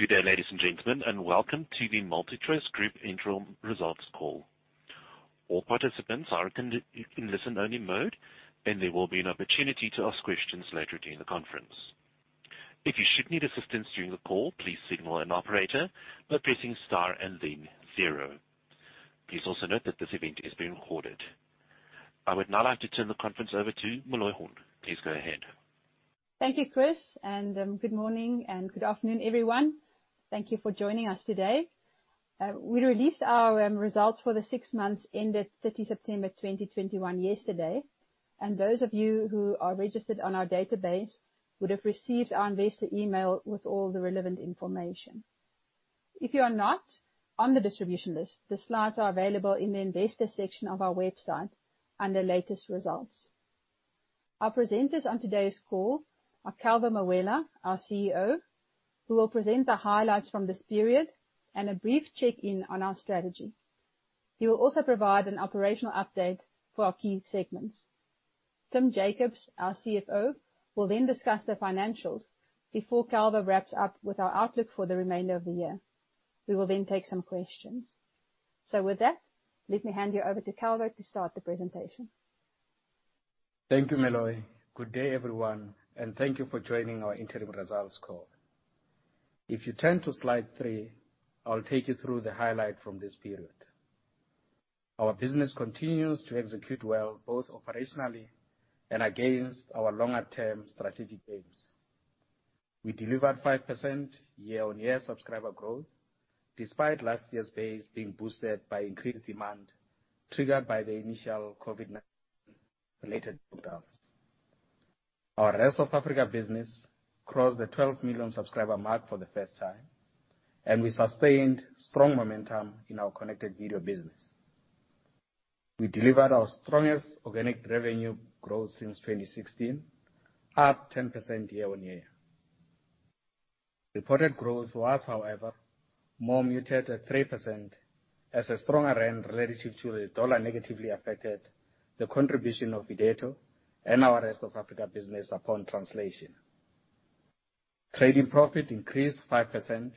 Good day, ladies and gentlemen, and welcome to the MultiChoice Group Interim Results Call. All participants are in listen only mode, and there will be an opportunity to ask questions later during the conference. If you should need assistance during the call, please signal an operator by pressing star and then zero. Please also note that this event is being recorded. I would now like to turn the conference over to Meloy Horn. Please go ahead. Thank you, Chris, and good morning and good afternoon, everyone. Thank you for joining us today. We released our results for the six months ended 30 September 2021 yesterday, and those of you who are registered on our database would have received our investor email with all the relevant information. If you are not on the distribution list, the slides are available in the investor section of our website under Latest Results. Our presenters on today's call are Calvo Mawela, our CEO, who will present the highlights from this period and a brief check-in on our strategy. He will also provide an operational update for our key segments. Tim Jacobs, our CFO, will then discuss the financials before Calvo wraps up with our outlook for the remainder of the year. We will then take some questions. With that, let me hand you over to Calvo to start the presentation. Thank you, Meloy. Good day, everyone, and thank you for joining our interim results call. If you turn to slide three, I will take you through the highlights from this period. Our business continues to execute well, both operationally and against our longer-term strategic aims. We delivered 5% year-on-year subscriber growth despite last year's base being boosted by increased demand triggered by the initial COVID-19 related lockdowns. Our rest of Africa business crossed the 12 million subscriber mark for the first time, and we sustained strong momentum in our connected video business. We delivered our strongest organic revenue growth since 2016, up 10% year-on-year. Reported growth was, however, more muted at 3% as a stronger rand relative to the dollar negatively affected the contribution of Irdeto and our rest of Africa business upon translation. Trading profit increased 5%,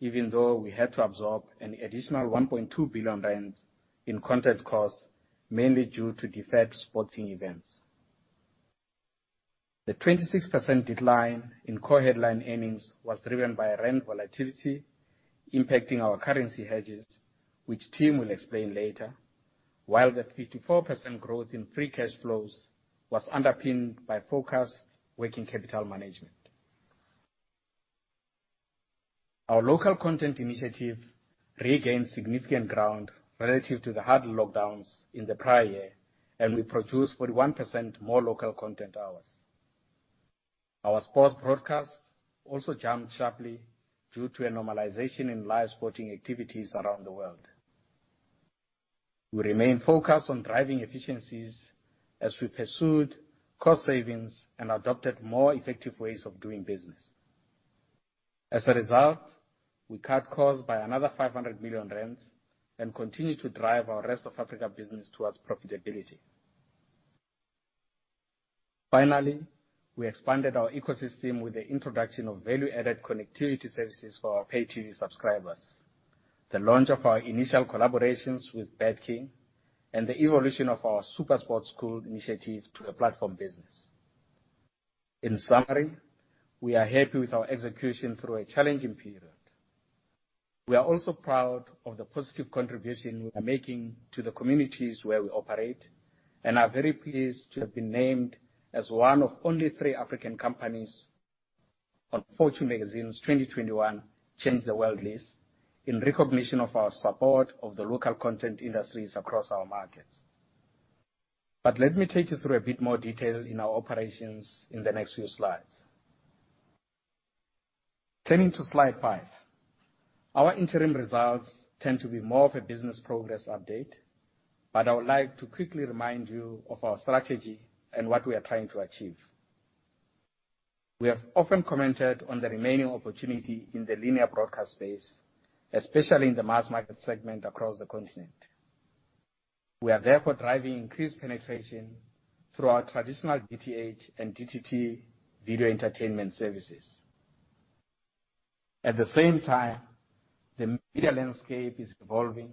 even though we had to absorb an additional 1.2 billion rand in content costs, mainly due to deferred sporting events. The 26% decline in core headline earnings was driven by rand volatility impacting our currency hedges, which Tim will explain later, while the 54% growth in free cash flows was underpinned by focused working capital management. Our local content initiative regained significant ground relative to the hard lockdowns in the prior year, and we produced 41% more local content hours. Our sports broadcast also jumped sharply due to a normalization in live sporting activities around the world. We remain focused on driving efficiencies as we pursued cost savings and adopted more effective ways of doing business. As a result, we cut costs by another 500 million rand and continue to drive our Rest of Africa business towards profitability. Finally, we expanded our ecosystem with the introduction of value-added connectivity services for our pay TV subscribers, the launch of our initial collaborations with BetKing, and the evolution of our SuperSport Schools initiative to a platform business. In summary, we are happy with our execution through a challenging period. We are also proud of the positive contribution we are making to the communities where we operate and are very pleased to have been named as one of only three African companies on Fortune magazine's 2021 Change the World list in recognition of our support of the local content industries across our markets. Let me take you through a bit more detail in our operations in the next few slides. Turning to slide five. Our interim results tend to be more of a business progress update, but I would like to quickly remind you of our strategy and what we are trying to achieve. We have often commented on the remaining opportunity in the linear broadcast space, especially in the mass market segment across the continent. We are therefore driving increased penetration through our traditional DTH and DTT video entertainment services. At the same time, the media landscape is evolving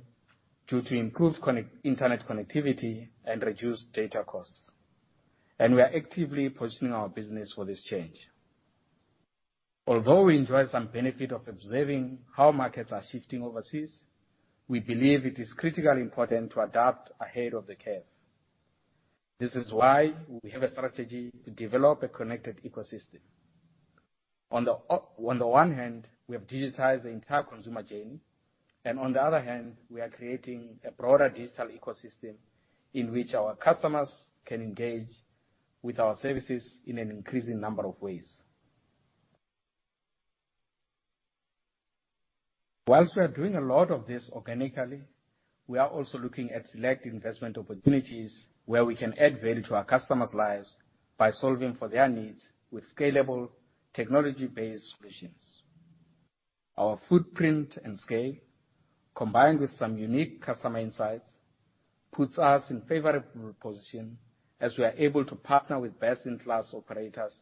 due to improved connectivity and reduced data costs, and we are actively positioning our business for this change. Although we enjoy some benefit of observing how markets are shifting overseas, we believe it is critically important to adapt ahead of the curve. This is why we have a strategy to develop a connected ecosystem. On the one hand, we have digitized the entire consumer journey, and on the other hand, we are creating a broader digital ecosystem in which our customers can engage with our services in an increasing number of ways. While we are doing a lot of this organically, we are also looking at select investment opportunities where we can add value to our customers' lives by solving for their needs with scalable technology-based solutions. Our footprint and scale, combined with some unique customer insights, puts us in favorable position as we are able to partner with best-in-class operators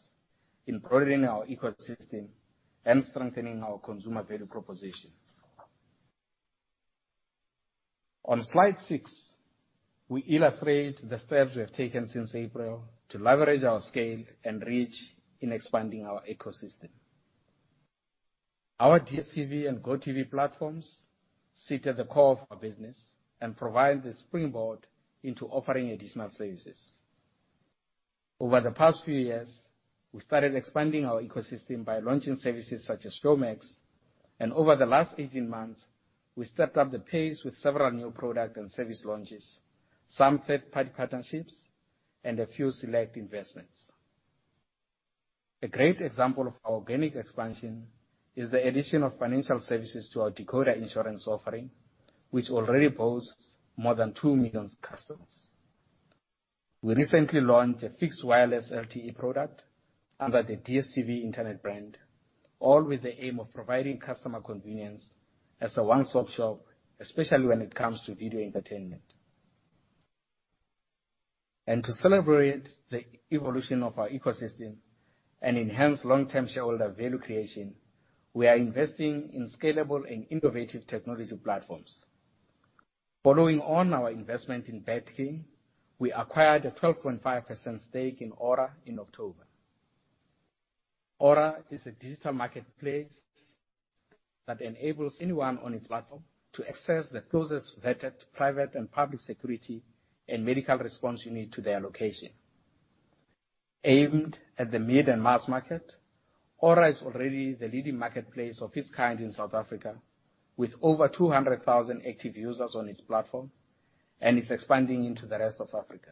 in growing our ecosystem and strengthening our consumer value proposition. On slide six, we illustrate the steps we have taken since April to leverage our scale and reach in expanding our ecosystem. Our DStv and GOtv platforms sit at the core of our business and provide the springboard into offering additional services. Over the past few years, we started expanding our ecosystem by launching services such as Showmax, and over the last 18 months, we stepped up the pace with several new product and service launches, some third-party partnerships, and a few select investments. A great example of our organic expansion is the addition of financial services to our decoder insurance offering, which already boasts more than 2 million customers. We recently launched a fixed wireless LTE product under the DStv Internet brand, all with the aim of providing customer convenience as a one-stop shop, especially when it comes to video entertainment. To celebrate the evolution of our ecosystem and enhance long-term shareholder value creation, we are investing in scalable and innovative technology platforms. Following on our investment in BetKing, we acquired a 12.5% stake in AURA in October. AURA is a digital marketplace that enables anyone on its platform to access the closest vetted private and public security and medical response you need to their location. Aimed at the mid and mass market, AURA is already the leading marketplace of its kind in South Africa with over 200,000 active users on its platform, and is expanding into the rest of Africa.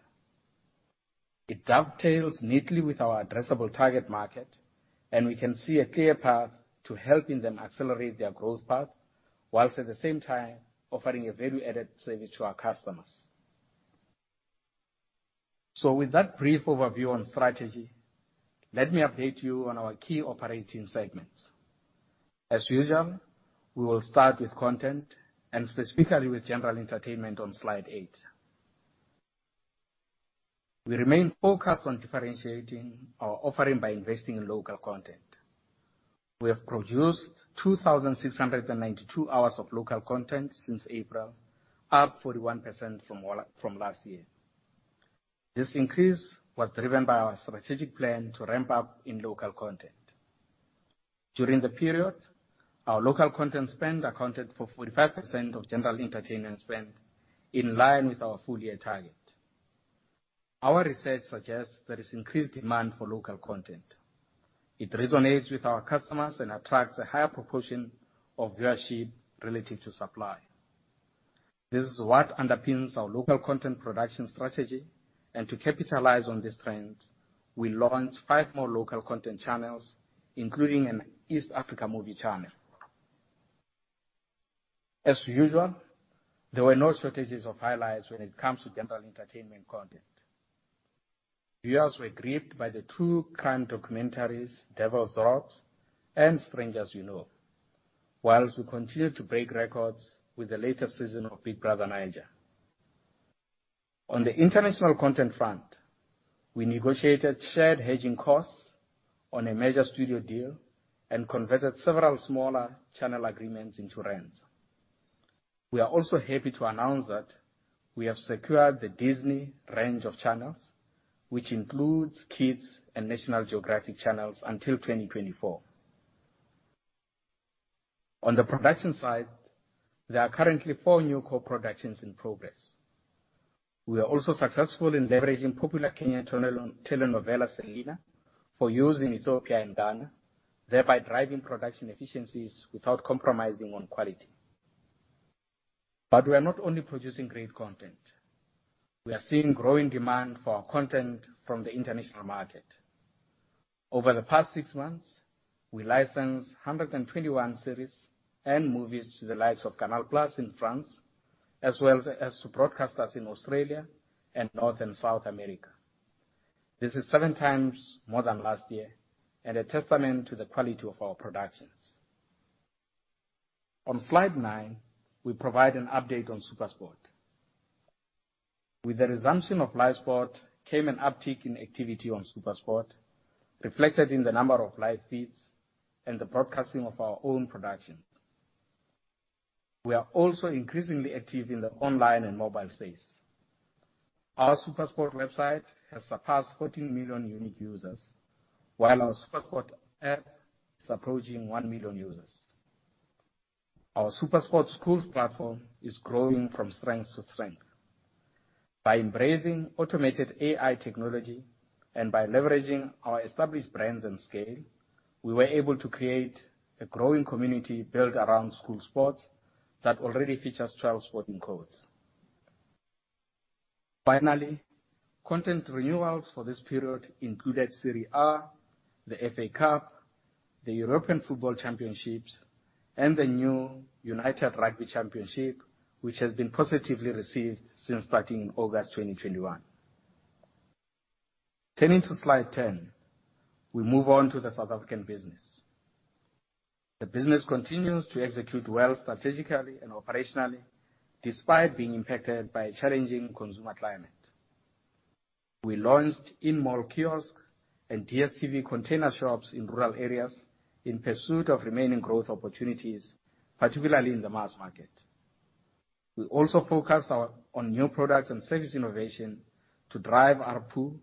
It dovetails neatly with our addressable target market, and we can see a clear path to helping them accelerate their growth path, while at the same time, offering a value-added service to our customers. With that brief overview on strategy, let me update you on our key operating segments. As usual, we will start with content, and specifically with general entertainment on slide 8. We remain focused on differentiating our offering by investing in local content. We have produced 2,692 hours of local content since April, up 41% from last year. This increase was driven by our strategic plan to ramp up in local content. During the period, our local content spend accounted for 45% of general entertainment spend in line with our full year target. Our research suggests there is increased demand for local content. It resonates with our customers and attracts a higher proportion of viewership relative to supply. This is what underpins our local content production strategy. To capitalize on this trend, we launched five more local content channels, including an East Africa movie channel. As usual, there were no shortages of highlights when it comes to general entertainment content. Viewers were gripped by the true crime documentaries, Devilsdorp and Strangers You Know. While we continued to break records with the latest season of Big Brother Naija. On the international content front, we negotiated shared hedging costs on a major studio deal and converted several smaller channel agreements into rents. We are also happy to announce that we have secured the Disney range of channels, which includes Kids and National Geographic channels, until 2024. On the production side, there are currently four new co-productions in progress. We are also successful in leveraging popular Kenyan telenovela, Selina, for use in Ethiopia and Ghana, thereby driving production efficiencies without compromising on quality. We are not only producing great content. We are seeing growing demand for our content from the international market. Over the past six months, we licensed 121 series and movies to the likes of Canal+ in France, as well as to broadcasters in Australia and North and South America. This is seven times more than last year, and a testament to the quality of our productions. On slide nine, we provide an update on SuperSport. With the resumption of live sport came an uptick in activity on SuperSport, reflected in the number of live feeds and the broadcasting of our own productions. We are also increasingly active in the online and mobile space. Our SuperSport website has surpassed 14 million unique users, while our SuperSport app is approaching 1 million users. Our SuperSport Schools platform is growing from strength to strength. By embracing automated AI technology and by leveraging our established brands and scale, we were able to create a growing community built around school sports that already features 12 sporting codes. Finally, content renewals for this period included Serie A, the FA Cup, the European Football Championships, and the new United Rugby Championship, which has been positively received since starting in August 2021. Turning to slide 10, we move on to the South African business. The business continues to execute well strategically and operationally, despite being impacted by a challenging consumer climate. We launched in-mall kiosk and DStv container shops in rural areas in pursuit of remaining growth opportunities, particularly in the mass market. We also focus on new products and service innovation to drive ARPU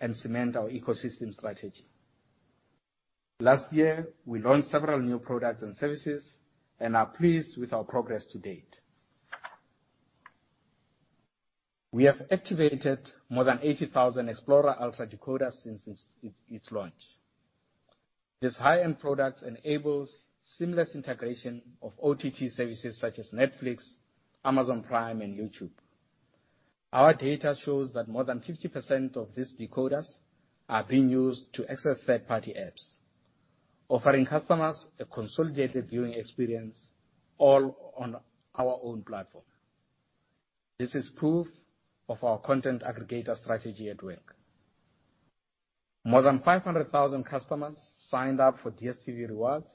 and cement our ecosystem strategy. Last year, we launched several new products and services and are pleased with our progress to date. We have activated more than 80,000 Explora Ultra decoders since its launch. This high-end product enables seamless integration of OTT services such as Netflix, Amazon Prime, and YouTube. Our data shows that more than 50% of these decoders are being used to access third-party apps, offering customers a consolidated viewing experience all on our own platform. This is proof of our content aggregator strategy at work. More than 500,000 customers signed up for DStv Rewards,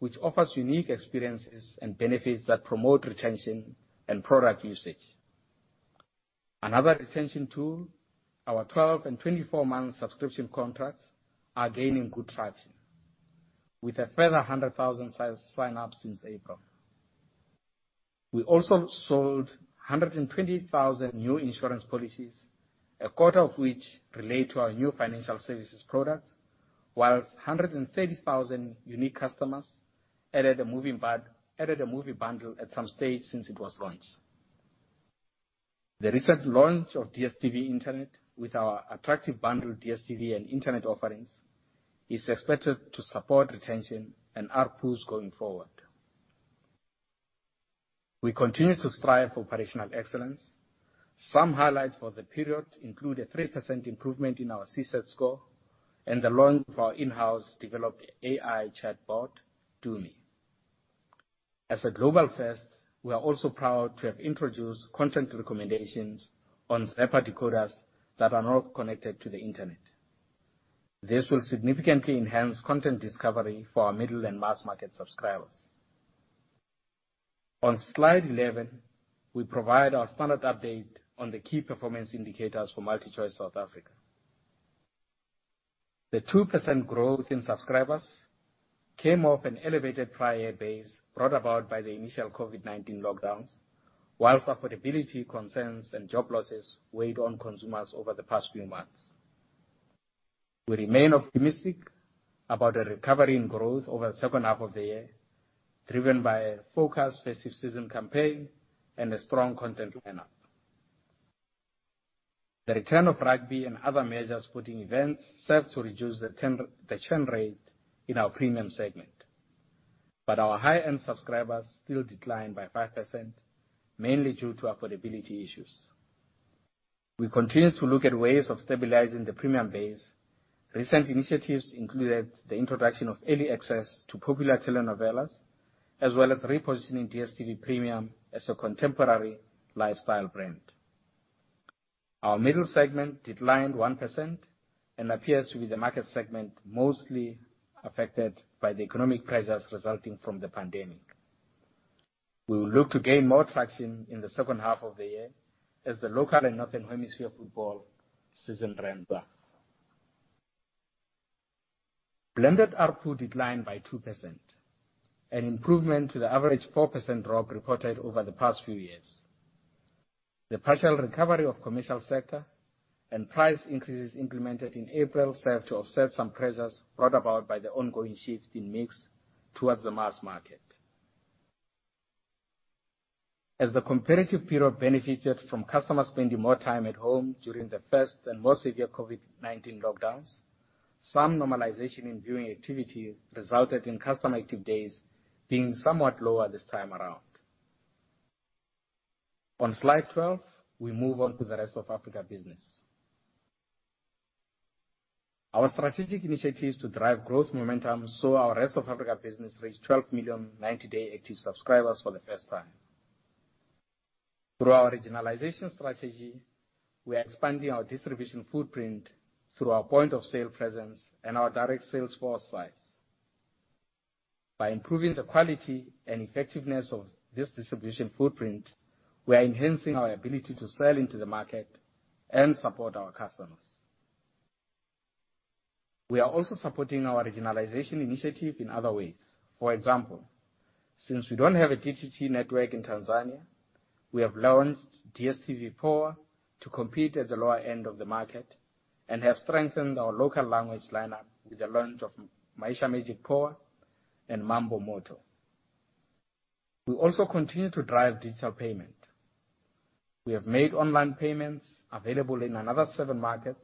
which offers unique experiences and benefits that promote retention and product usage. Another retention tool, our 12- and 24-month subscription contracts, are gaining good traction, with a further 100,000 sign-ups since April. We also sold 120,000 new insurance policies, a quarter of which relate to our new financial services product, while 130,000 unique customers added a movie bundle at some stage since it was launched. The recent launch of DStv Internet with our attractive bundle DStv and internet offerings is expected to support retention and ARPUs going forward. We continue to strive for operational excellence. Some highlights for the period include a 3% improvement in our CSAT score and the launch of our in-house developed AI chatbot, TUMI. As a global first, we are also proud to have introduced content recommendations on Zephyr decoders that are not connected to the internet. This will significantly enhance content discovery for our middle and mass market subscribers. On Slide 11, we provide our standard update on the key performance indicators for MultiChoice South Africa. The 2% growth in subscribers came off an elevated prior base brought about by the initial COVID-19 lockdowns, while affordability concerns and job losses weighed on consumers over the past few months. We remain optimistic about a recovery in growth over the second half of the year, driven by a focused festive season campaign and a strong content lineup. The return of rugby and other major sporting events serves to reduce the churn rate in our premium segment, but our high-end subscribers still declined by 5%, mainly due to affordability issues. We continue to look at ways of stabilizing the premium base. Recent initiatives included the introduction of early access to popular telenovelas, as well as repositioning DStv Premium as a contemporary lifestyle brand. Our middle segment declined 1% and appears to be the market segment mostly affected by the economic pressures resulting from the pandemic. We will look to gain more traction in the second half of the year as the local and northern hemisphere football season ramps up. Blended ARPU declined by 2%, an improvement to the average 4% drop reported over the past few years. The partial recovery of commercial sector and price increases implemented in April serve to offset some pressures brought about by the ongoing shift in mix towards the mass market. As the competitive period benefited from customers spending more time at home during the first and more severe COVID-19 lockdowns, some normalization in viewing activity resulted in customer active days being somewhat lower this time around. On slide 12, we move on to the Rest of Africa business. Our strategic initiatives to drive growth momentum saw our Rest of Africa business reach 12 million 90-day active subscribers for the first time. Through our regionalization strategy, we are expanding our distribution footprint through our point-of-sale presence and our direct sales force size. By improving the quality and effectiveness of this distribution footprint, we are enhancing our ability to sell into the market and support our customers. We are also supporting our regionalization initiative in other ways. For example, since we don't have a DTT network in Tanzania, we have launched DStv Pole to compete at the lower end of the market and have strengthened our local language lineup with the launch of Maisha Magic Bongo and Mambo Moto. We also continue to drive digital payment. We have made online payments available in another seven markets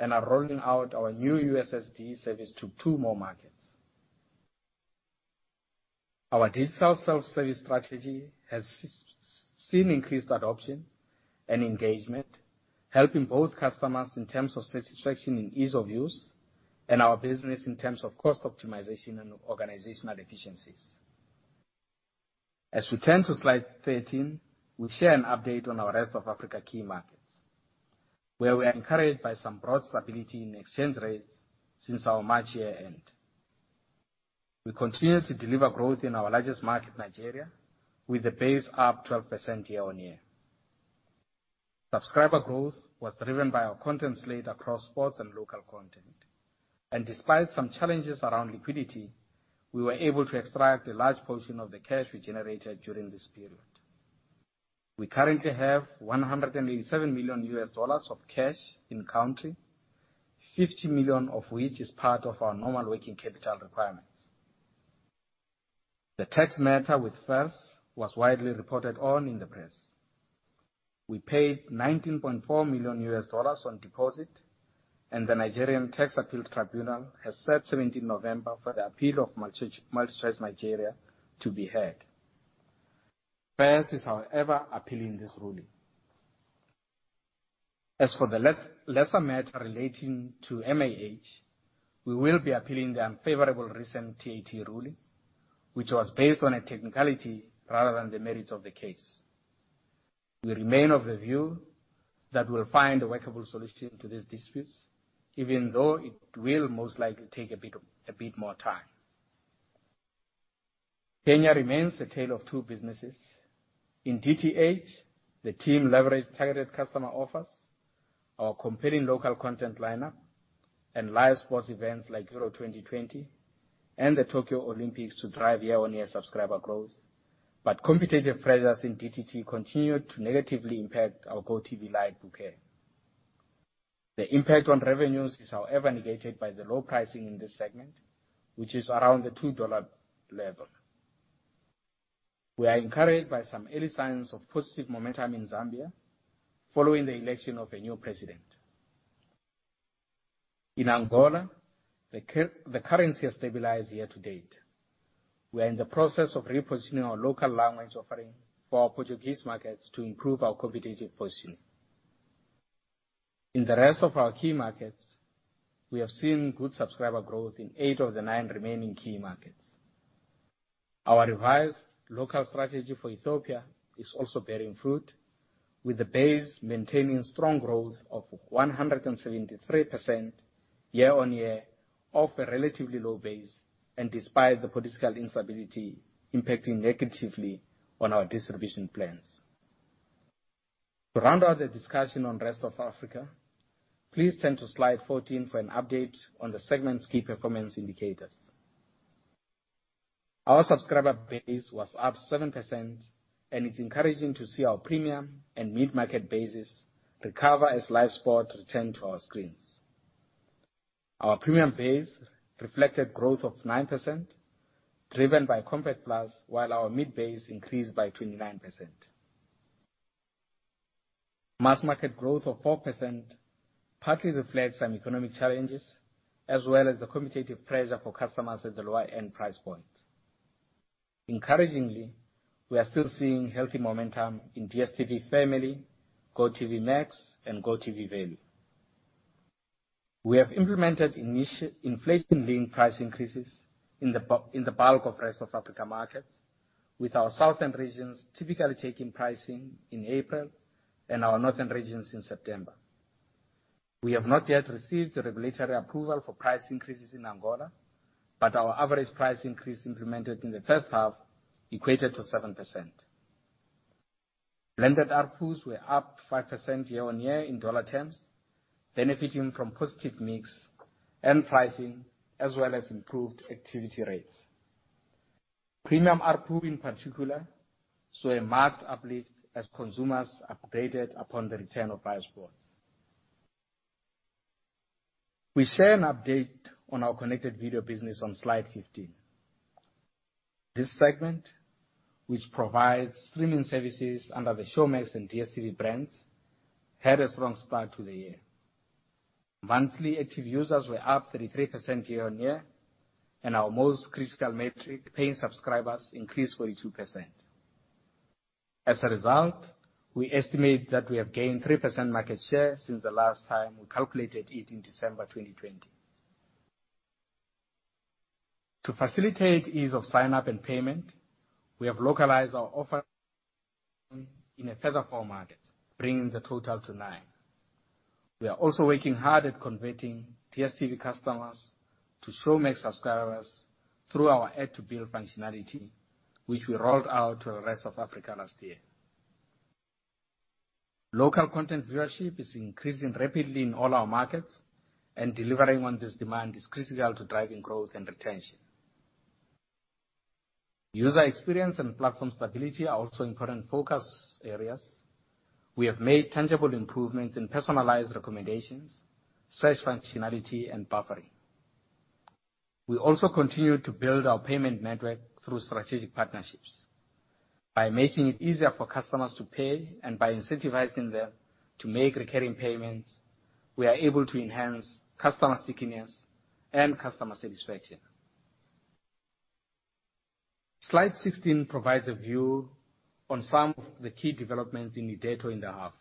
and are rolling out our new USSD service to two more markets. Our digital self-service strategy has seen increased adoption and engagement, helping both customers in terms of satisfaction and ease of use, and our business in terms of cost optimization and organizational efficiencies. As we turn to slide 13, we share an update on our rest of Africa key markets, where we are encouraged by some broad stability in exchange rates since our March year-end. We continue to deliver growth in our largest market, Nigeria, with the base up 12% year-on-year. Subscriber growth was driven by our content slate across sports and local content. Despite some challenges around liquidity, we were able to extract a large portion of the cash we generated during this period. We currently have $187 million of cash in country, $50 million of which is part of our normal working capital requirements. The tax matter with FIRS was widely reported on in the press. We paid $19.4 million on deposit, and the Nigerian Tax Appeal Tribunal has set 17 November for the appeal of MultiChoice Nigeria to be heard. FIRS is, however, appealing this ruling. As for the lesser matter relating to MAH, we will be appealing the unfavorable recent TAT ruling, which was based on a technicality rather than the merits of the case. We remain of the view that we'll find a workable solution to these disputes, even though it will most likely take a bit more time. Kenya remains a tale of two businesses. In DTH, the team leveraged targeted customer offers, our compelling local content lineup, and live sports events like Euro 2020 and the Tokyo 2020 to drive year-on-year subscriber growth. Competitive pressures in DTT continued to negatively impact our GOtv Live bouquet. The impact on revenues is, however, negated by the low pricing in this segment, which is around the $2 level. We are encouraged by some early signs of positive momentum in Zambia following the election of a new president. In Angola, the currency has stabilized year to date. We are in the process of repositioning our local language offering for our Portuguese markets to improve our competitive position. In the rest of our key markets, we have seen good subscriber growth in eight of the nine remaining key markets. Our revised local strategy for Ethiopia is also bearing fruit, with the base maintaining strong growth of 173% year-on-year off a relatively low base, and despite the political instability impacting negatively on our distribution plans. To round out the discussion on Rest of Africa, please turn to slide 14 for an update on the segment's key performance indicators. Our subscriber base was up 7%, and it's encouraging to see our premium and mid-market bases recover as live sport return to our screens. Our premium base reflected growth of 9%, driven by Compact Plus, while our mid base increased by 29%. Mass market growth of 4% partly reflects some economic challenges, as well as the competitive pressure for customers at the lower end price point. Encouragingly, we are still seeing healthy momentum in DStv Family, GOtv Max, and GOtv Value. We have implemented inflation-linked price increases in the bulk of Rest of Africa markets, with our southern regions typically taking pricing in April and our northern regions in September. We have not yet received the regulatory approval for price increases in Angola, but our average price increase implemented in the first half equated to 7%. Blended ARPU were up 5% year-on-year in dollar terms, benefiting from positive mix and pricing, as well as improved activity rates. Premium ARPU, in particular, saw a marked uplift as consumers upgraded upon the return of live sport. We share an update on our connected video business on slide 15. This segment, which provides streaming services under the Showmax and DStv brands, had a strong start to the year. Monthly active users were up 33% year-on-year, and our most critical metric, paying subscribers, increased 42%. As a result, we estimate that we have gained 3% market share since the last time we calculated it in December 2020. To facilitate ease of sign-up and payment, we have localized our offer in a further 4 markets, bringing the total to 9. We are also working hard at converting DStv customers to Showmax subscribers through our add to bill functionality, which we rolled out to the rest of Africa last year. Local content viewership is increasing rapidly in all our markets, and delivering on this demand is critical to driving growth and retention. User experience and platform stability are also important focus areas. We have made tangible improvements in personalized recommendations, search functionality, and buffering. We also continue to build our payment network through strategic partnerships. By making it easier for customers to pay and by incentivizing them to make recurring payments, we are able to enhance customer stickiness and customer satisfaction. Slide 16 provides a view on some of the key developments in Irdeto in the half.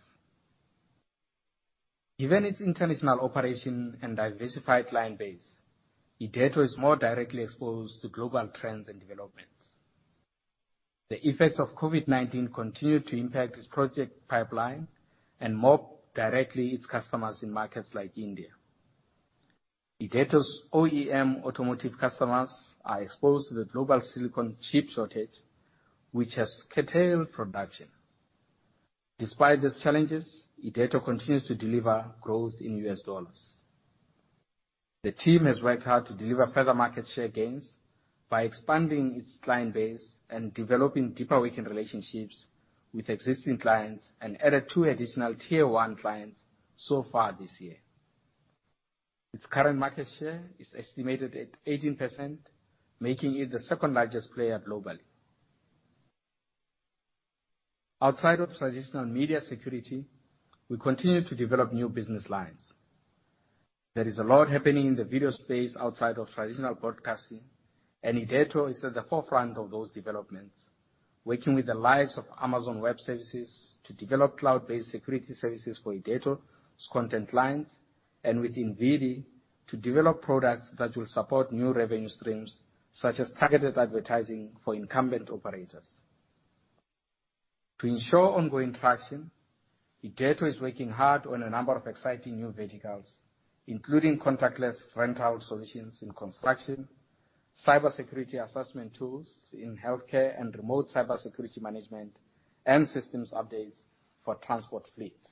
Given its international operation and diversified client base, Irdeto is more directly exposed to global trends and developments. The effects of COVID-19 continue to impact its project pipeline and more directly, its customers in markets like India. Irdeto's OEM automotive customers are exposed to the global silicon chip shortage, which has curtailed production. Despite these challenges, Irdeto continues to deliver growth in US dollars. The team has worked hard to deliver further market share gains by expanding its client base and developing deeper working relationships with existing clients and added 2 additional tier one clients so far this year. Its current market share is estimated at 18%, making it the second-largest player globally. Outside of traditional media security, we continue to develop new business lines. There is a lot happening in the video space outside of traditional broadcasting, and Irdeto is at the forefront of those developments, working with the likes of Amazon Web Services to develop cloud-based security services for Irdeto's content clients and within ViiV, to develop products that will support new revenue streams, such as targeted advertising for incumbent operators. To ensure ongoing traction, Irdeto is working hard on a number of exciting new verticals, including contactless rental solutions in construction, cybersecurity assessment tools in healthcare, and remote cybersecurity management and systems updates for transport fleets.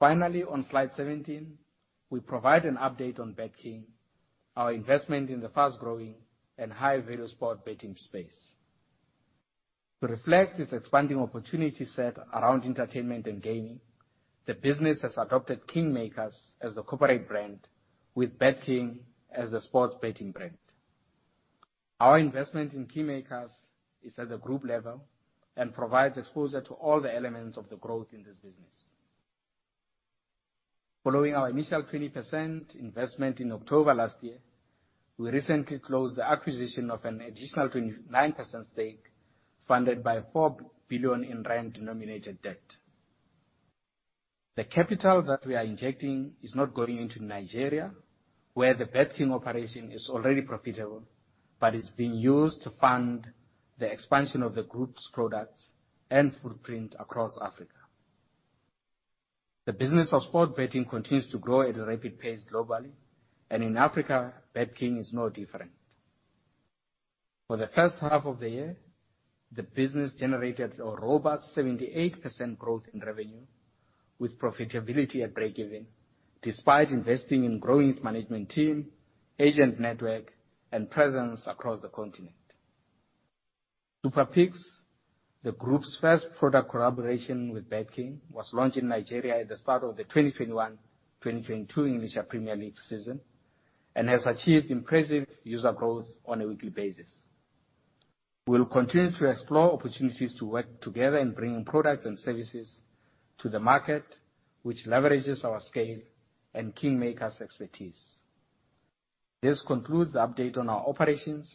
Finally, on slide 17, we provide an update on BetKing, our investment in the fast-growing and high-value sports betting space. To reflect its expanding opportunity set around entertainment and gaming, the business has adopted Kingmakers as the corporate brand with BetKing as the sports betting brand. Our investment in Kingmakers is at the group level and provides exposure to all the elements of the growth in this business. Following our initial 20% investment in October last year, we recently closed the acquisition of an additional 29% stake, funded by 4 billion in rand-denominated debt. The capital that we are injecting is not going into Nigeria, where the BetKing operation is already profitable, but is being used to fund the expansion of the group's products and footprint across Africa. The business of sports betting continues to grow at a rapid pace globally, and in Africa, BetKing is no different. For the first half of the year, the business generated a robust 78% growth in revenue with profitability at breakeven, despite investing in growing its management team, agent network, and presence across the continent. SuperPicks, the group's first product collaboration with BetKing, was launched in Nigeria at the start of the 2021/2022 Premier League season and has achieved impressive user growth on a weekly basis. We'll continue to explore opportunities to work together in bringing products and services to the market, which leverages our scale and Kingmakers' expertise. This concludes the update on our operations.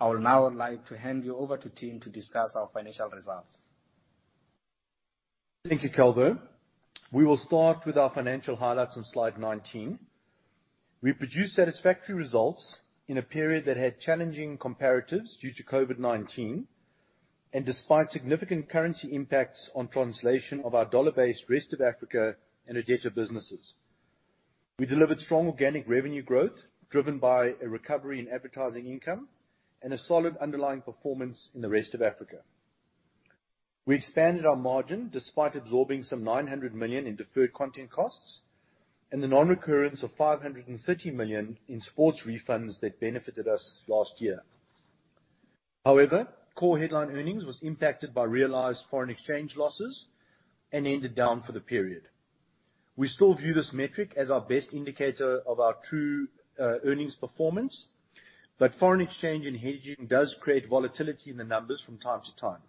I would now like to hand you over to Tim to discuss our financial results. Thank you, Calvo. We will start with our financial highlights on slide 19. We produced satisfactory results in a period that had challenging comparatives due to COVID-19, and despite significant currency impacts on translation of our dollar-based rest of Africa and Irdeto businesses. We delivered strong organic revenue growth, driven by a recovery in advertising income and a solid underlying performance in the rest of Africa. We expanded our margin despite absorbing some 900 million in deferred content costs and the non-recurrence of 530 million in sports refunds that benefited us last year. However, core headline earnings was impacted by realized foreign exchange losses and ended down for the period. We still view this metric as our best indicator of our true earnings performance, but foreign exchange and hedging does create volatility in the numbers from time to time.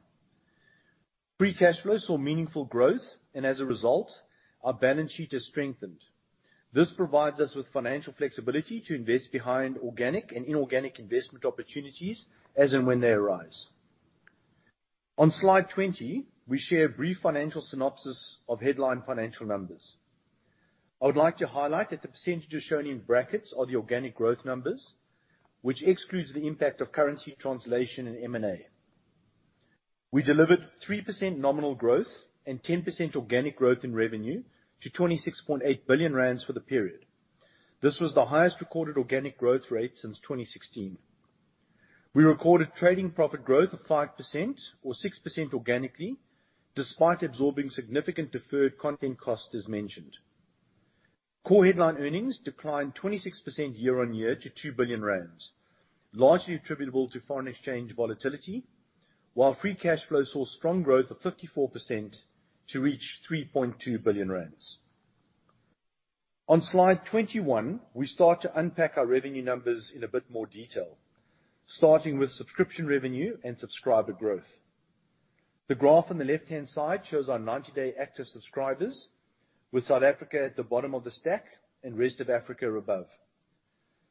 Free cash flow saw meaningful growth, and as a result, our balance sheet has strengthened. This provides us with financial flexibility to invest behind organic and inorganic investment opportunities as and when they arise. On slide 20, we share a brief financial synopsis of headline financial numbers. I would like to highlight that the percentages shown in brackets are the organic growth numbers, which excludes the impact of currency translation and M&A. We delivered 3% nominal growth and 10% organic growth in revenue to 26.8 billion rand for the period. This was the highest recorded organic growth rate since 2016. We recorded trading profit growth of 5% or 6% organically, despite absorbing significant deferred content cost as mentioned. Core headline earnings declined 26% year-on-year to 2 billion rand, largely attributable to foreign exchange volatility. While free cash flow saw strong growth of 54% to reach 3.2 billion rand. On Slide 21, we start to unpack our revenue numbers in a bit more detail, starting with subscription revenue and subscriber growth. The graph on the left-hand side shows our 90-day active subscribers, with South Africa at the bottom of the stack and rest of Africa above.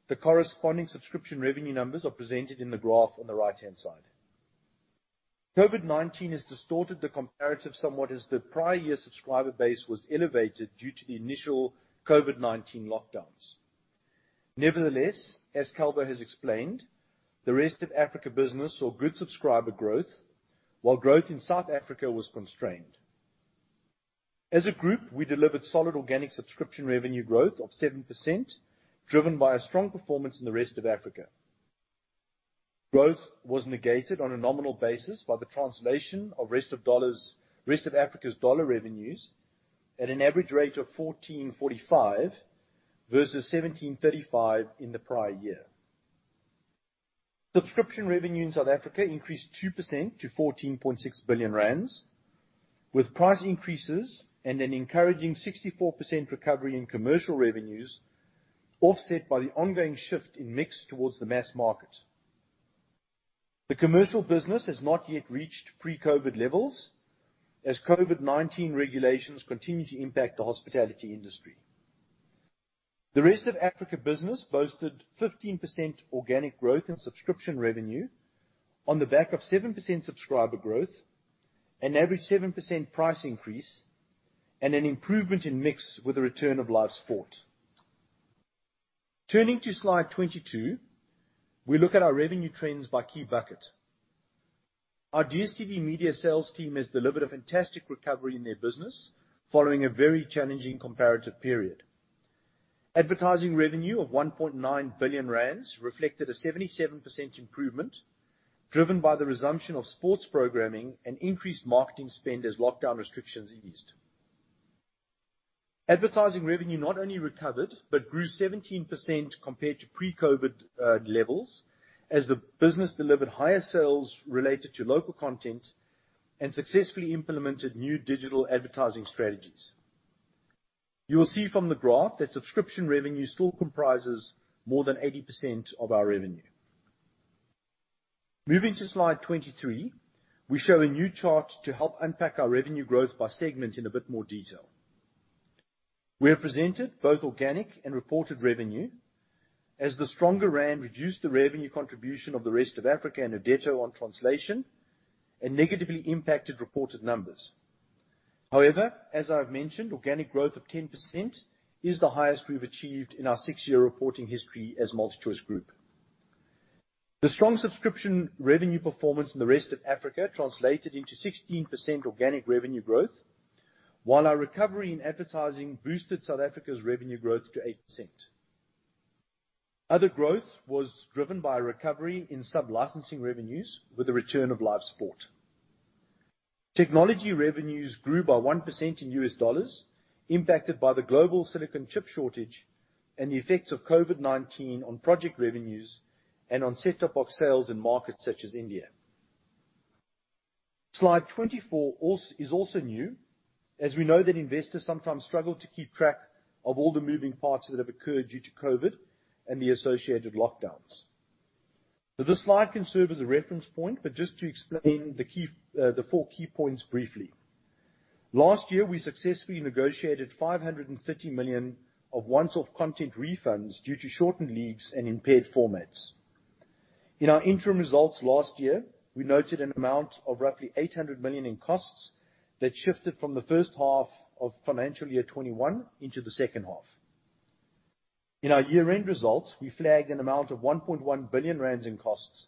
The corresponding subscription revenue numbers are presented in the graph on the right-hand side. COVID-19 has distorted the comparative somewhat as the prior year subscriber base was elevated due to the initial COVID-19 lockdowns. Nevertheless, as Calvo has explained, the rest of Africa business saw good subscriber growth, while growth in South Africa was constrained. As a group, we delivered solid organic subscription revenue growth of 7%, driven by a strong performance in the rest of Africa. Growth was negated on a nominal basis by the translation of rest of Africa's dollar revenues at an average rate of 14.45 versus 17.35 in the prior year. Subscription revenue in South Africa increased 2% to 14.6 billion rand, with price increases and an encouraging 64% recovery in commercial revenues, offset by the ongoing shift in mix towards the mass market. The commercial business has not yet reached pre-COVID levels, as COVID-19 regulations continue to impact the hospitality industry. The rest of Africa business boasted 15% organic growth in subscription revenue on the back of 7% subscriber growth, an average 7% price increase, and an improvement in mix with the return of live sport. Turning to slide 22, we look at our revenue trends by key bucket. Our DStv media sales team has delivered a fantastic recovery in their business following a very challenging comparative period. Advertising revenue of 1.9 billion rand reflected a 77% improvement, driven by the resumption of sports programming and increased marketing spend as lockdown restrictions eased. Advertising revenue not only recovered, but grew 17% compared to pre-COVID levels as the business delivered higher sales related to local content and successfully implemented new digital advertising strategies. You will see from the graph that subscription revenue still comprises more than 80% of our revenue. Moving to slide 23, we show a new chart to help unpack our revenue growth by segment in a bit more detail. We have presented both organic and reported revenue as the stronger rand reduced the revenue contribution of the rest of Africa and Irdeto on translation, and negatively impacted reported numbers. However, as I've mentioned, organic growth of 10% is the highest we've achieved in our 6-year reporting history as MultiChoice Group. The strong subscription revenue performance in the rest of Africa translated into 16% organic revenue growth, while our recovery in advertising boosted South Africa's revenue growth to 8%. Other growth was driven by a recovery in sub-licensing revenues with the return of live sport. Technology revenues grew by 1% in U.S. dollars impacted by the global silicon chip shortage and the effects of COVID-19 on project revenues and on set-top box sales in markets such as India. Slide 24 is also new, as we know that investors sometimes struggle to keep track of all the moving parts that have occurred due to COVID and the associated lockdowns. This slide can serve as a reference point, but just to explain the key, the four key points briefly. Last year, we successfully negotiated 530 million of one-off content refunds due to shortened leagues and impaired formats. In our interim results last year, we noted an amount of roughly 800 million in costs that shifted from the first half of FY 2021 into the second half. In our year-end results, we flagged an amount of 1.1 billion rand in costs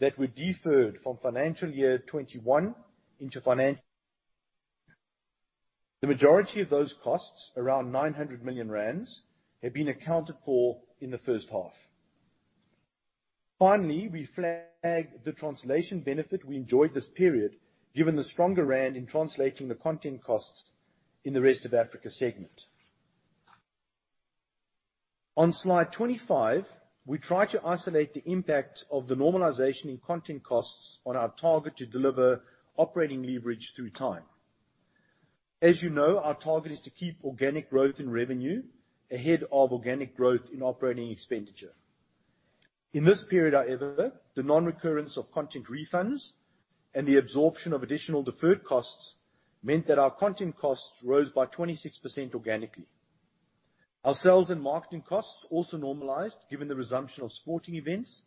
that were deferred from FY 2021 into FY 2022. The majority of those costs, around 900 million rand, have been accounted for in the first half. Finally, we flagged the translation benefit we enjoyed this period, given the stronger rand in translating the content costs in the Rest of Africa segment. On slide 25, we try to isolate the impact of the normalization in content costs on our target to deliver operating leverage through time. As you know, our target is to keep organic growth in revenue ahead of organic growth in operating expenditure. In this period, however, the non-recurrence of content refunds and the absorption of additional deferred costs meant that our content costs rose by 26% organically. Our sales and marketing costs also normalized given the resumption of sporting events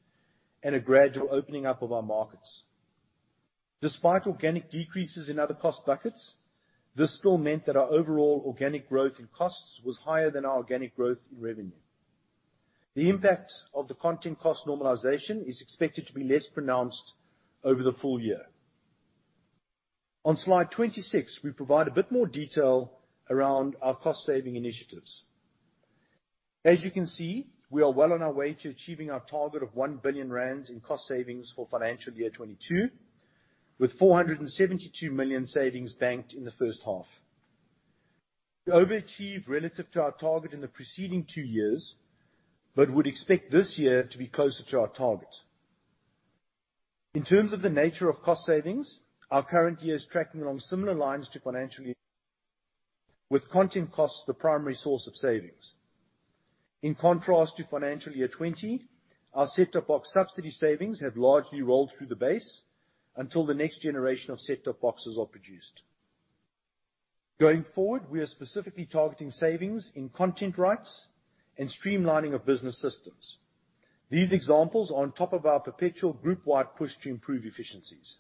and a gradual opening up of our markets. Despite organic decreases in other cost buckets, this still meant that our overall organic growth in costs was higher than our organic growth in revenue. The impact of the content cost normalization is expected to be less pronounced over the full year. On slide 26, we provide a bit more detail around our cost-saving initiatives. As you can see, we are well on our way to achieving our target of 1 billion rand in cost savings for FY 2022, with 472 million savings banked in the first half. We overachieved relative to our target in the preceding two years, but would expect this year to be closer to our target. In terms of the nature of cost savings, our current year is tracking along similar lines to FY 2021, with content costs the primary source of savings. In contrast to FY 2020, our set-top box subsidy savings have largely rolled through the base until the next generation of set-top boxes are produced. Going forward, we are specifically targeting savings in content rights and streamlining of business systems. These examples are on top of our perpetual group-wide push to improve efficiencies.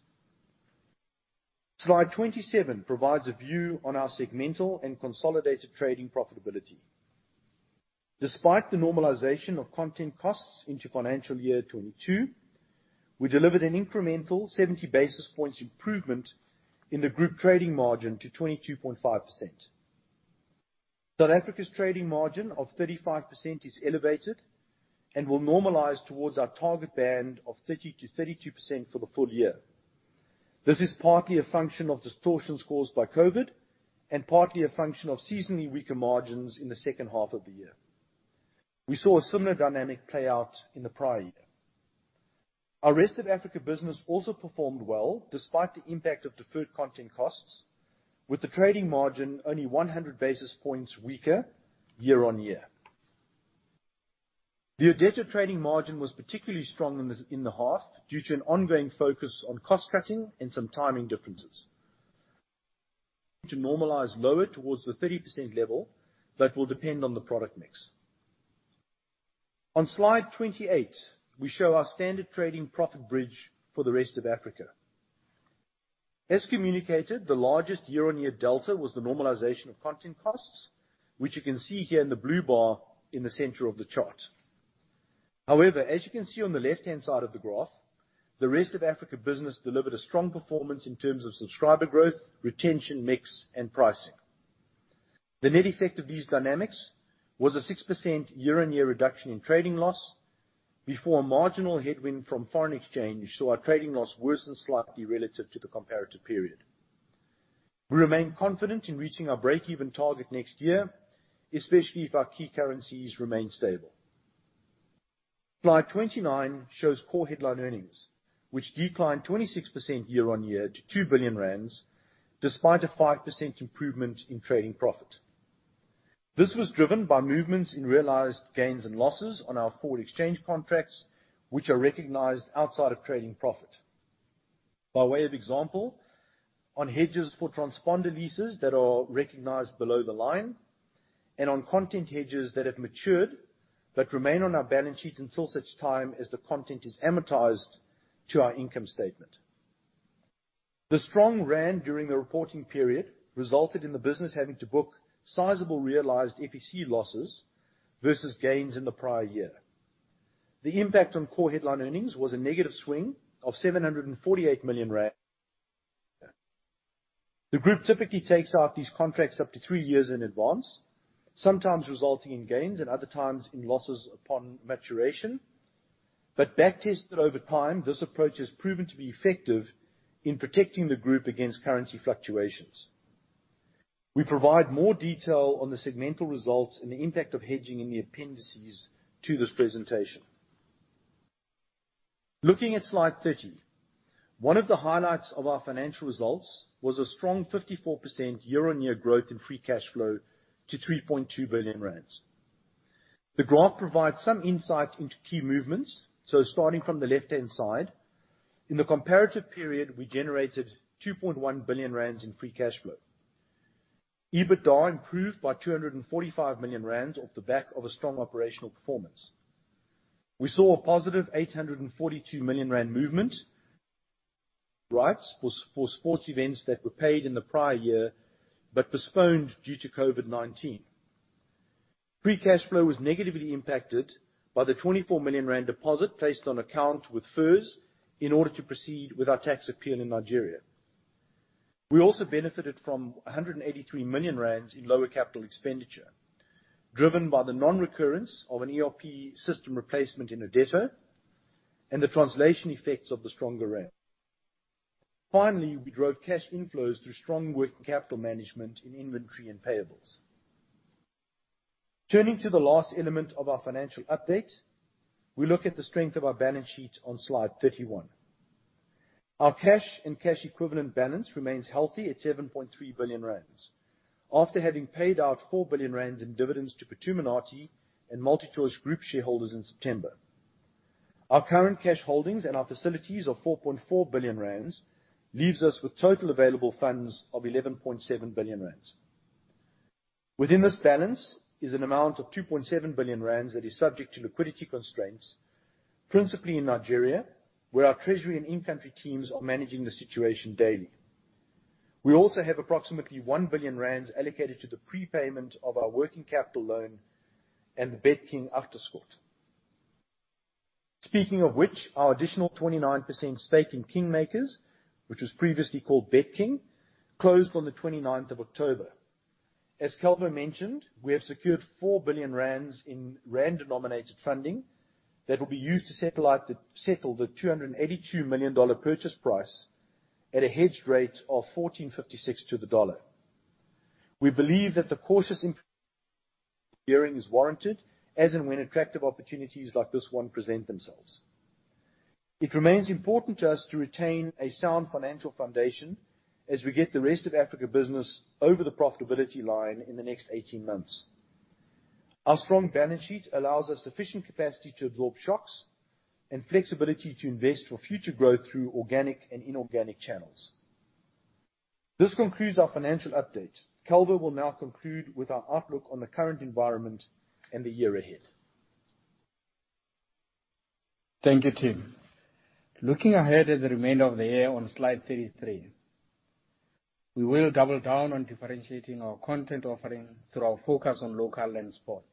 Slide 27 provides a view on our segmental and consolidated trading profitability. Despite the normalization of content costs into financial year 2022, we delivered an incremental 70 basis points improvement in the group trading margin to 22.5%. South Africa's trading margin of 35% is elevated and will normalize towards our target band of 30%-32% for the full year. This is partly a function of distortions caused by COVID-19, and partly a function of seasonally weaker margins in the second half of the year. We saw a similar dynamic play out in the prior year. Our rest of Africa business also performed well despite the impact of deferred content costs, with the trading margin only 100 basis points weaker year-on-year. The DStv trading margin was particularly strong in the half due to an ongoing focus on cost-cutting and some timing differences. To normalize lower towards the 30% level, that will depend on the product mix. On slide 28, we show our standard trading profit bridge for the rest of Africa. As communicated, the largest year-on-year delta was the normalization of content costs, which you can see here in the blue bar in the center of the chart. However, as you can see on the left-hand side of the graph, the rest of Africa business delivered a strong performance in terms of subscriber growth, retention, mix, and pricing. The net effect of these dynamics was a 6% year-on-year reduction in trading loss before a marginal headwind from foreign exchange, so our trading loss worsened slightly relative to the comparative period. We remain confident in reaching our break-even target next year, especially if our key currencies remain stable. Slide 29 shows core headline earnings, which declined 26% year-on-year to 2 billion rand despite a 5% improvement in trading profit. This was driven by movements in realized gains and losses on our forward exchange contracts, which are recognized outside of trading profit, by way of example, on hedges for transponder leases that are recognized below the line and on content hedges that have matured but remain on our balance sheet until such time as the content is amortized to our income statement. The strong rand during the reporting period resulted in the business having to book sizable realized FEC losses versus gains in the prior year. The impact on core headline earnings was a negative swing of 748 million rand. The group typically takes out these contracts up to three years in advance, sometimes resulting in gains and other times in losses upon maturation. Back tested over time, this approach has proven to be effective in protecting the group against currency fluctuations. We provide more detail on the segmental results and the impact of hedging in the appendices to this presentation. Looking at slide 30, one of the highlights of our financial results was a strong 54% year-on-year growth in free cash flow to 3.2 billion rand. The graph provides some insight into key movements. Starting from the left-hand side, in the comparative period, we generated 2.1 billion rand in free cash flow. EBITDA improved by 245 million rand off the back of a strong operational performance. We saw a positive 842 million rand movement. Rights was for sports events that were paid in the prior year but postponed due to COVID-19. Free cash flow was negatively impacted by the 24 million rand deposit placed on account with FIRS in order to proceed with our tax appeal in Nigeria. We also benefited from 183 million rand in lower capital expenditure, driven by the nonrecurrence of an ERP system replacement in Irdeto and the translation effects of the stronger rand. Finally, we drove cash inflows through strong working capital management in inventory and payables. Turning to the last element of our financial update, we look at the strength of our balance sheet on slide 31. Our cash and cash equivalent balance remains healthy at 7.3 billion rand after having paid out 4 billion rand in dividends to MultiChoice Group shareholders in September. Our current cash holdings and our facilities of 4.4 billion rand leave us with total available funds of 11.7 billion rand. Within this balance is an amount of 2.7 billion rand that is subject to liquidity constraints, principally in Nigeria, where our treasury and in-country teams are managing the situation daily. We also have approximately 1 billion rand allocated to the prepayment of our working capital loan and the BetKing acquisition. Speaking of which, our additional 29% stake in Kingmakers, which was previously called BetKing, closed on the 29th of October. As Calvo mentioned, we have secured 4 billion rand in rand-denominated funding that will be used to settle the $282 million purchase price at a hedged rate of 14.56 to the dollar. We believe that the cautious gearing is warranted as and when attractive opportunities like this one present themselves. It remains important to us to retain a sound financial foundation as we get the rest of Africa business over the profitability line in the next 18 months. Our strong balance sheet allows us sufficient capacity to absorb shocks and flexibility to invest for future growth through organic and inorganic channels. This concludes our financial update. Calvo will now conclude with our outlook on the current environment and the year ahead. Thank you, Tim. Looking ahead at the remainder of the year on slide 33, we will double down on differentiating our content offering through our focus on local and sport.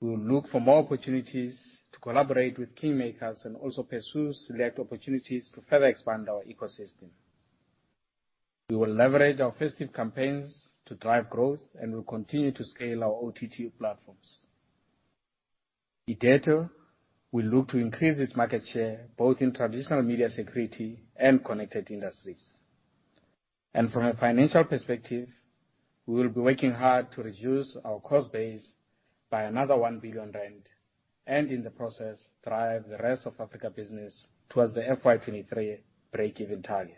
We will look for more opportunities to collaborate with Kingmakers and also pursue select opportunities to further expand our ecosystem. We will leverage our festive campaigns to drive growth, and we'll continue to scale our OTT platforms. Irdeto will look to increase its market share both in traditional media security and connected industries. From a financial perspective, we will be working hard to reduce our cost base by another 1 billion rand, and in the process, drive the rest of Africa business towards the FY 2023 break-even target.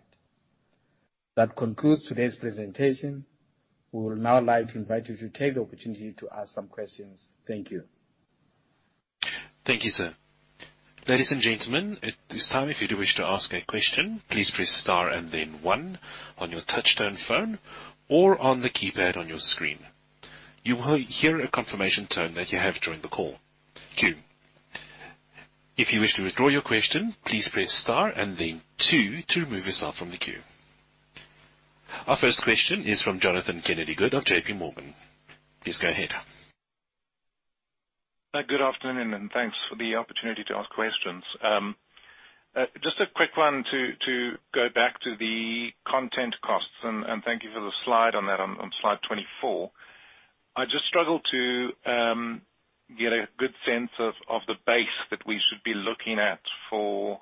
That concludes today's presentation. We would now like to invite you to take the opportunity to ask some questions. Thank you. Thank you, sir. Ladies and gentlemen, at this time, if you do wish to ask a question, please press star and then one on your touchtone phone or on the keypad on your screen. You will hear a confirmation tone that you have joined the call queue. If you wish to withdraw your question, please press star and then two to remove yourself from the queue. Our first question is from Jonathan Kennedy-Good of JP Morgan. Please go ahead. Good afternoon, and thanks for the opportunity to ask questions. Just a quick one to go back to the content costs, and thank you for the slide on that on slide 24. I just struggle to get a good sense of the base that we should be looking at for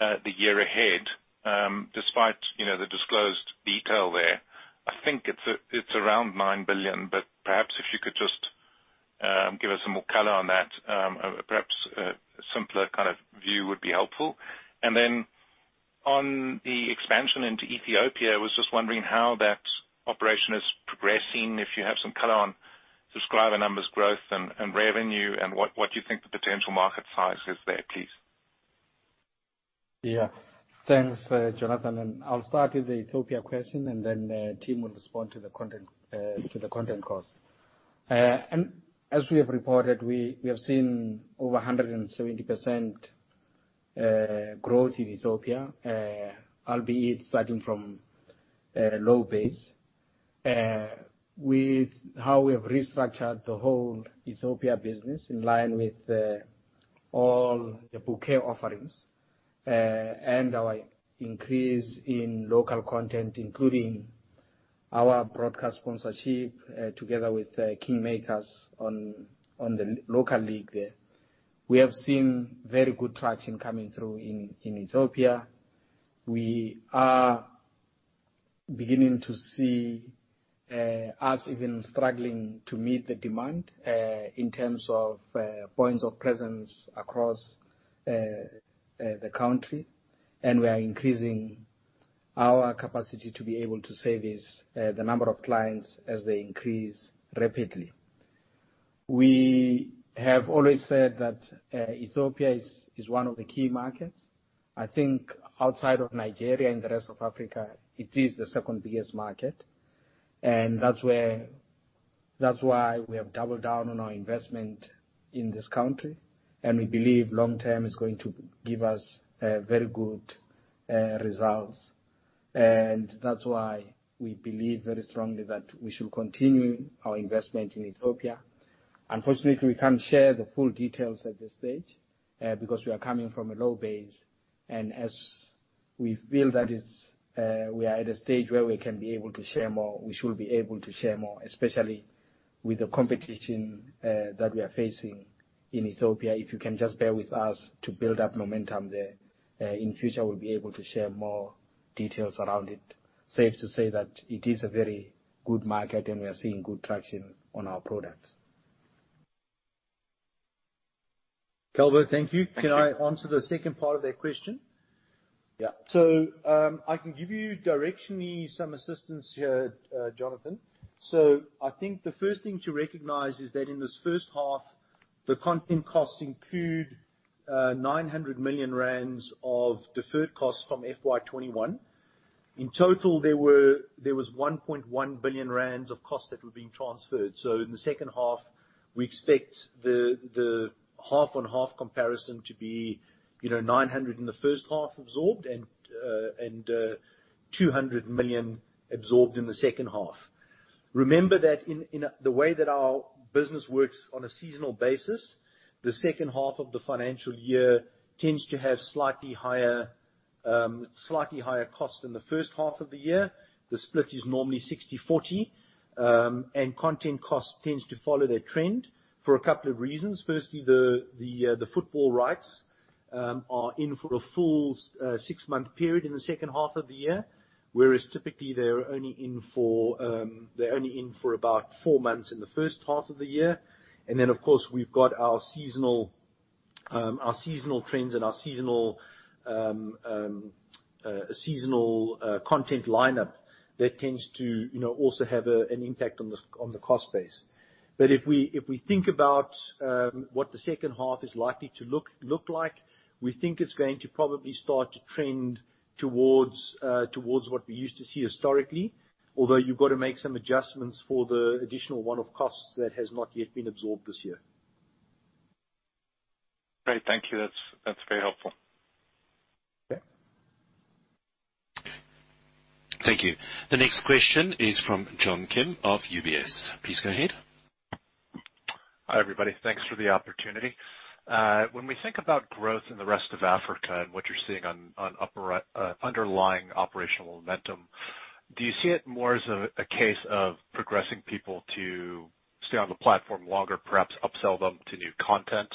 the year ahead. Despite you know the disclosed detail there, I think it's around 9 billion, but perhaps if you could just give us some more color on that. Perhaps a simpler kind of view would be helpful. On the expansion into Ethiopia, I was just wondering how that operation is progressing, if you have some color on subscriber numbers, growth and revenue, and what you think the potential market size is there, please. Yeah. Thanks, Jonathan. I'll start with the Ethiopia question, and then the team will respond to the content cost. As we have reported, we have seen over 170% growth in Ethiopia, albeit starting from a low base. With how we have restructured the whole Ethiopia business in line with all the bouquet offerings and our increase in local content, including our broadcast sponsorship together with Kingmakers on the local league there, we have seen very good traction coming through in Ethiopia. We are beginning to see us even struggling to meet the demand in terms of points of presence across the country, and we are increasing our capacity to be able to service the number of clients as they increase rapidly. We have always said that Ethiopia is one of the key markets. I think outside of Nigeria and the rest of Africa, it is the second biggest market, and that's where. That's why we have doubled down on our investment in this country, and we believe long-term it's going to give us very good results. That's why we believe very strongly that we should continue our investment in Ethiopia. Unfortunately, we can't share the full details at this stage because we are coming from a low base. As we feel that we are at a stage where we can be able to share more, we should be able to share more, especially with the competition that we are facing in Ethiopia. If you can just bear with us to build up momentum there, in future, we'll be able to share more details around it. Safe to say that it is a very good market, and we are seeing good traction on our products. Calvo, thank you. Can I answer the second part of that question? Yeah. I can give you directionally some assistance here, Jonathan. I think the first thing to recognize is that in this first half, the content costs include 900 million rand of deferred costs from FY 2021. In total, there was 1.1 billion rand of costs that were being transferred. In the second half, we expect the half-on-half comparison to be, you know, 900 million in the first half absorbed and 200 million absorbed in the second half. Remember that the way that our business works on a seasonal basis, the second half of the financial year tends to have slightly higher cost than the first half of the year. The split is normally 60/40, and content cost tends to follow their trend for a couple of reasons. Firstly, the football rights are in for a full six-month period in the second half of the year, whereas typically, they're only in for about four months in the first half of the year. Then, of course, we've got our seasonal trends and our seasonal content lineup that tends to, you know, also have an impact on the cost base. If we think about what the second half is likely to look like, we think it's going to probably start to trend towards what we used to see historically. Although you've got to make some adjustments for the additional one-off costs that has not yet been absorbed this year. Great. Thank you. That's very helpful. Okay. Thank you. The next question is from John Kim of UBS. Please go ahead. Hi, everybody. Thanks for the opportunity. When we think about growth in the rest of Africa and what you're seeing on upper, underlying operational momentum, do you see it more as a case of progressing people to stay on the platform longer, perhaps upsell them to new content?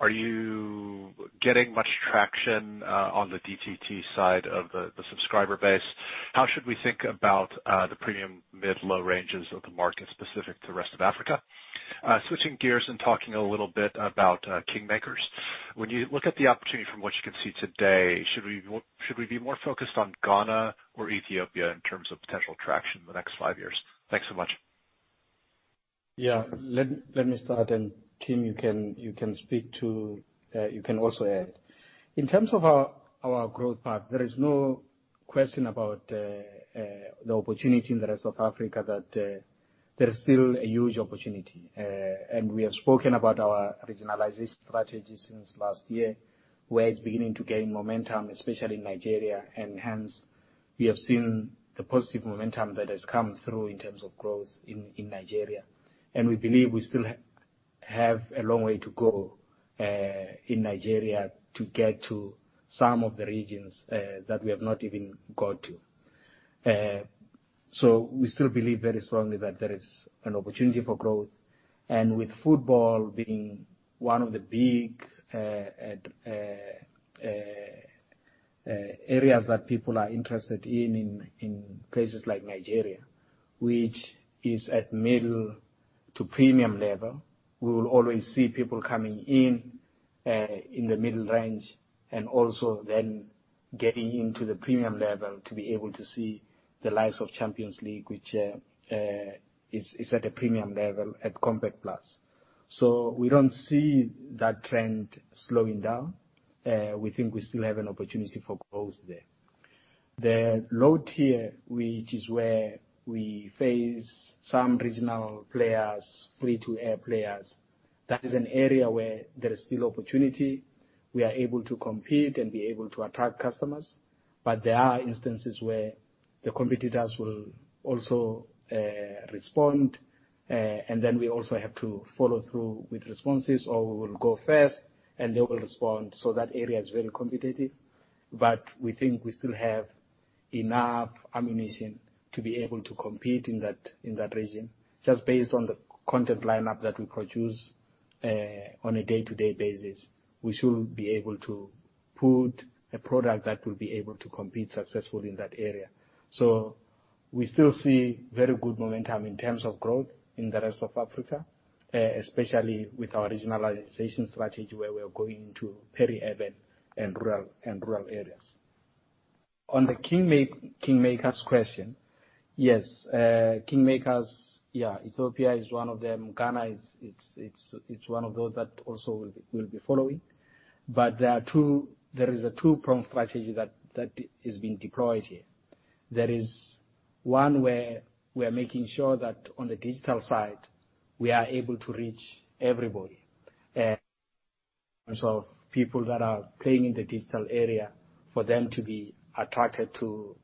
Are you getting much traction on the DTT side of the subscriber base? How should we think about the premium mid-low ranges of the market specific to the rest of Africa? Switching gears and talking a little bit about Kingmakers. When you look at the opportunity from what you can see today, should we be more focused on Ghana or Ethiopia in terms of potential traction in the next five years? Thanks so much. Yeah. Let me start, and Tim, you can speak to, you can also add. In terms of our growth path, there is no question about the opportunity in the rest of Africa that there is still a huge opportunity. We have spoken about our regionalization strategy since last year, where it's beginning to gain momentum, especially in Nigeria. Hence, we have seen the positive momentum that has come through in terms of growth in Nigeria. We believe we still have a long way to go in Nigeria to get to some of the regions that we have not even got to. We still believe very strongly that there is an opportunity for growth. With football being one of the big areas that people are interested in in places like Nigeria, which is at middle to premium level. We will always see people coming in in the middle range and also then getting into the premium level to be able to see the likes of Champions League, which is at a premium level at Compact Plus. We don't see that trend slowing down. We think we still have an opportunity for growth there. The low tier, which is where we face some regional players, free-to-air players, that is an area where there is still opportunity. We are able to compete and be able to attract customers, but there are instances where the competitors will also respond, and then we also have to follow through with responses, or we will go first and they will respond. That area is very competitive, but we think we still have enough ammunition to be able to compete in that region. Just based on the content lineup that we produce on a day-to-day basis, we should be able to put a product that will be able to compete successfully in that area. We still see very good momentum in terms of growth in the rest of Africa, especially with our regionalization strategy where we are going into peri-urban and rural areas. On the Kingmakers question, yes, Kingmakers, yeah, Ethiopia is one of them. Ghana, it's one of those that also we'll be following. There is a two-pronged strategy that is being deployed here. There is one where we are making sure that on the digital side, we are able to reach everybody. People that are playing in the digital area, for them to be attracted to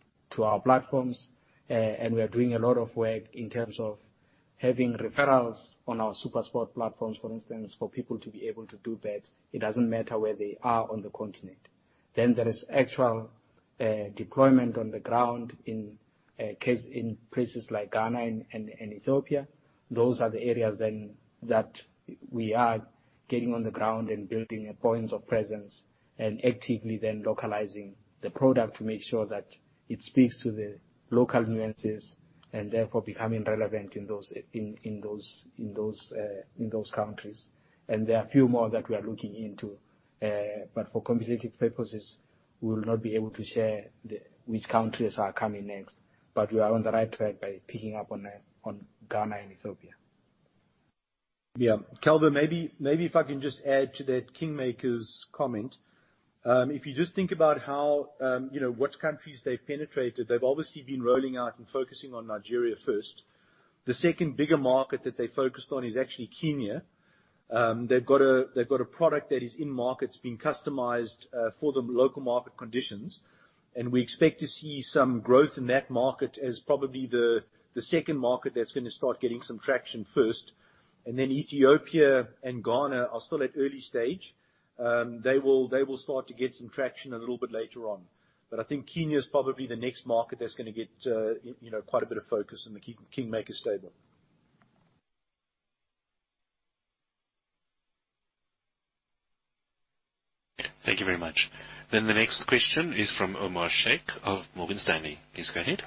our platforms. We are doing a lot of work in terms of having referrals on our SuperSport platforms, for instance, for people to be able to do bets. It doesn't matter where they are on the continent. There is actual deployment on the ground in places like Ghana and Ethiopia. Those are the areas then that we are getting on the ground and building points of presence and actively then localizing the product to make sure that it speaks to the local nuances and therefore becoming relevant in those countries. There are a few more that we are looking into. But for competitive purposes, we will not be able to share which countries are coming next. We are on the right track by picking up on Ghana and Ethiopia. Yeah. Calvo Mawela, maybe if I can just add to that Kingmakers comment. If you just think about how, you know, what countries they penetrated, they've obviously been rolling out and focusing on Nigeria first. The second bigger market that they focused on is actually Kenya. They've got a product that is in markets, being customized for the local market conditions, and we expect to see some growth in that market as probably the second market that's gonna start getting some traction first. Then Ethiopia and Ghana are still at early stage. They will start to get some traction a little bit later on. I think Kenya is probably the next market that's gonna get, you know, quite a bit of focus in the Kingmakers stable. Thank you very much. The next question is from Omar Sheikh of Morgan Stanley. Please go ahead.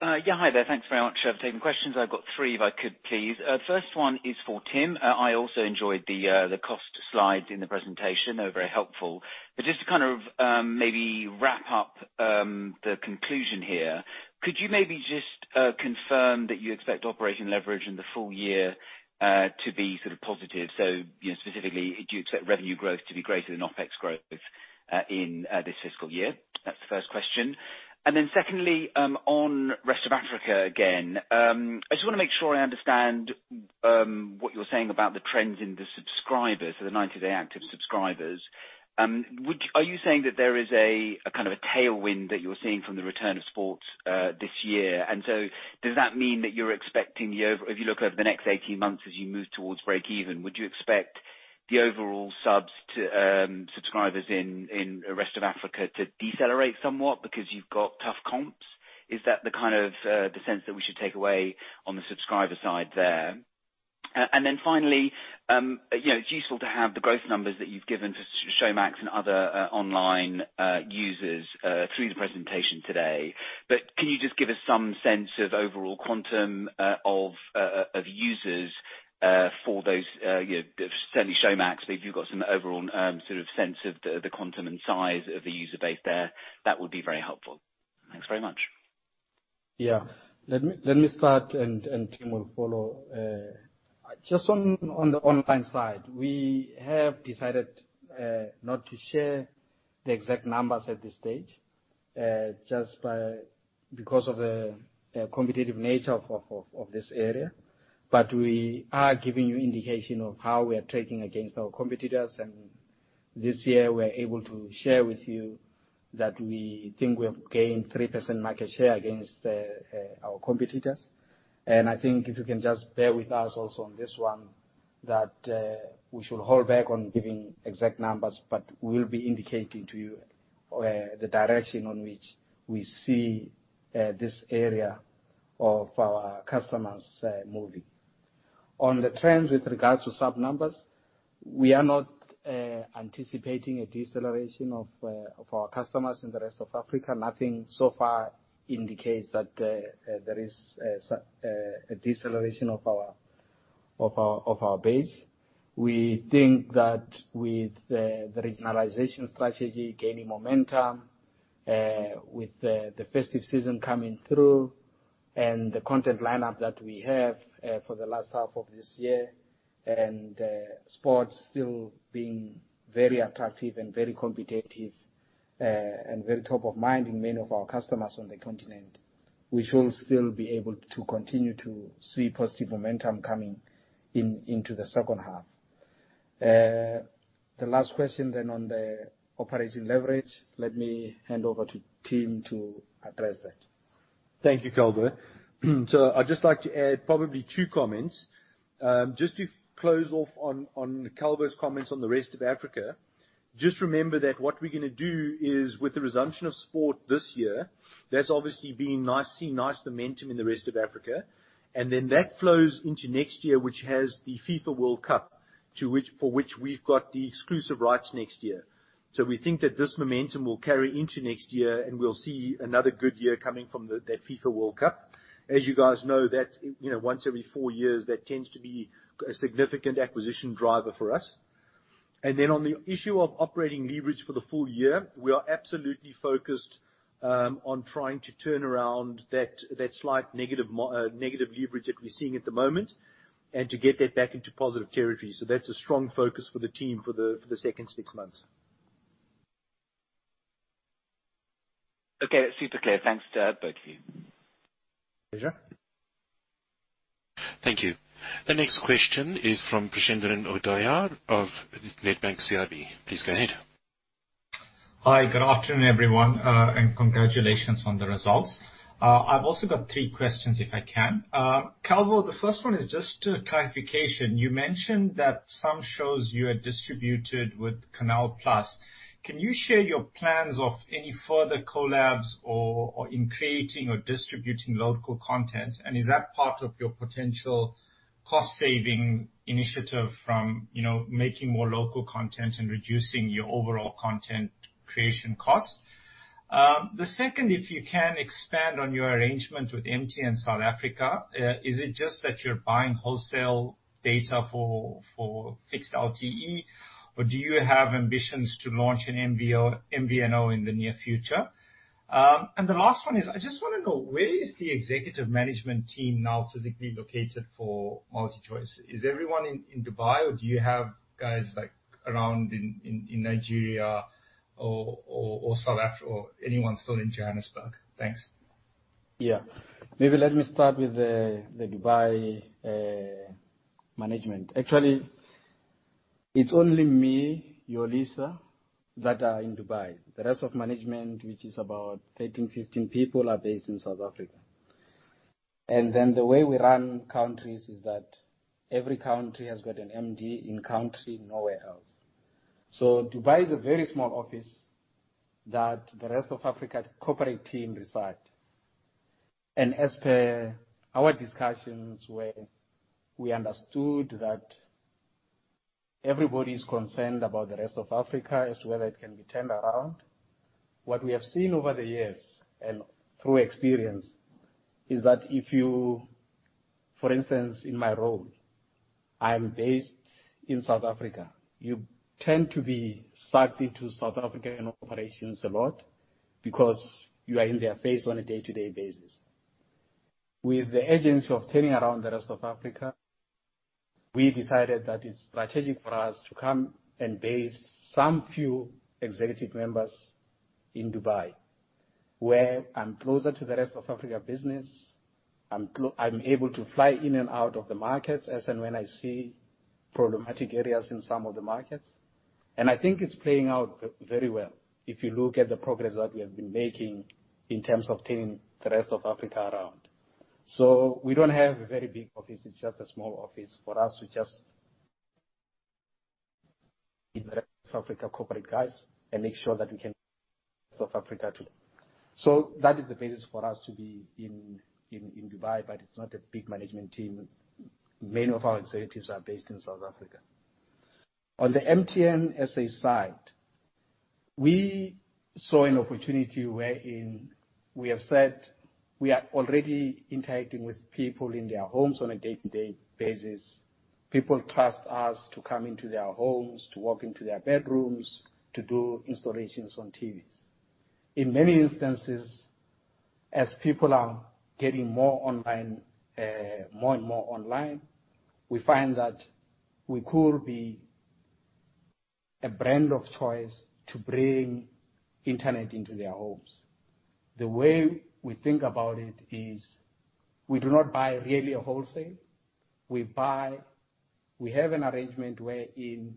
Yeah, hi there. Thanks very much for taking questions. I've got three if I could, please. First one is for Tim. I also enjoyed the cost slides in the presentation. They were very helpful. Just to kind of maybe wrap up the conclusion here, could you maybe just confirm that you expect operational leverage in the full year to be sort of positive? You know, specifically, do you expect revenue growth to be greater than OpEx growth in this fiscal year? That's the first question. Secondly, on rest of Africa again, I just wanna make sure I understand what you're saying about the trends in the subscribers, so the 90-day active subscribers. Would... Are you saying that there is a kind of tailwind that you're seeing from the return of sports this year? Does that mean that you're expecting, if you look over the next 18 months as you move towards break even, the overall subs to subscribers in rest of Africa to decelerate somewhat because you've got tough comps? Is that the kind of sense that we should take away on the subscriber side there? And then finally, you know, it's useful to have the growth numbers that you've given for Showmax and other online users through the presentation today. Can you just give us some sense of overall quantum of users for those, you know, certainly Showmax, but if you've got some overall sort of sense of the quantum and size of the user base there, that would be very helpful. Thanks very much. Yeah. Let me start, and Tim will follow. Just on the online side, we have decided not to share the exact numbers at this stage, just because of the competitive nature of this area. But we are giving you an indication of how we are trading against our competitors. This year we're able to share with you that we think we have gained 3% market share against our competitors. I think if you can just bear with us also on this one, that we should hold back on giving exact numbers, but we'll be indicating to you the direction in which we see this area of our customers moving. On the trends with regards to sub numbers, we are not anticipating a deceleration of our customers in the rest of Africa. Nothing so far indicates that there is a deceleration of our base. We think that with the regionalization strategy gaining momentum, with the festive season coming through, and the content lineup that we have for the last half of this year, and sports still being very attractive and very competitive, and very top of mind in many of our customers on the continent, we should still be able to continue to see positive momentum coming in into the second half. The last question then on the operating leverage, let me hand over to Tim to address that. Thank you, Calvo. I'd just like to add probably two comments. Just to close off on Calvo's comments on the rest of Africa, just remember that what we're gonna do is with the resumption of sport this year, there's obviously been nice momentum in the rest of Africa. That flows into next year, which has the FIFA World Cup, for which we've got the exclusive rights next year. We think that this momentum will carry into next year, and we'll see another good year coming from that FIFA World Cup. As you guys know, you know, once every four years, that tends to be a significant acquisition driver for us. On the issue of operating leverage for the full year, we are absolutely focused on trying to turn around that slight negative leverage that we're seeing at the moment, and to get that back into positive territory. That's a strong focus for the team for the second six months. Okay. That's super clear. Thanks to both of you. Pleasure. Thank you. The next question is from Prashant Naidoo of Nedbank CIB. Please go ahead. Hi, good afternoon, everyone, and congratulations on the results. I've also got three questions if I can. Calvo, the first one is just a clarification. You mentioned that some shows you had distributed with Canal+. Can you share your plans of any further collabs or in creating or distributing local content? And is that part of your potential cost saving initiative from, you know, making more local content and reducing your overall content creation costs? The second, if you can expand on your arrangement with MTN South Africa, is it just that you're buying wholesale data for fixed LTE, or do you have ambitions to launch an MVNO in the near future? And the last one is, I just wanna know, where is the executive management team now physically located for MultiChoice? Is everyone in Dubai, or do you have guys like around in Nigeria or anyone still in Johannesburg? Thanks. Yeah. Maybe let me start with the Dubai management. Actually, it's only me, Yolisa, that are in Dubai. The rest of management, which is about 13-15 people, are based in South Africa. Then the way we run countries is that every country has got an MD in country, nowhere else. So Dubai is a very small office that the Rest of Africa Corporate team reside. As per our discussions where we understood that everybody's concerned about the Rest of Africa as to whether it can be turned around. What we have seen over the years, and through experience, is that. For instance, in my role, I am based in South Africa. You tend to be sucked into South African operations a lot because you are in their face on a day-to-day basis. With the urgency of turning around the rest of Africa, we decided that it's strategic for us to come and base some few executive members in Dubai, where I'm closer to the rest of Africa business. I'm able to fly in and out of the markets as and when I see problematic areas in some of the markets. I think it's playing out very well, if you look at the progress that we have been making in terms of turning the rest of Africa around. We don't have a very big office. It's just a small office for our Africa corporate guys and to make sure that we can support South Africa too. That is the basis for us to be in Dubai, but it's not a big management team. Many of our executives are based in South Africa. On the MTN SA side, we saw an opportunity wherein we have said we are already interacting with people in their homes on a day-to-day basis. People trust us to come into their homes, to walk into their bedrooms, to do installations on TVs. In many instances, as people are getting more online, more and more online, we find that we could be a brand of choice to bring internet into their homes. The way we think about it is, we do not buy really a wholesale. We have an arrangement wherein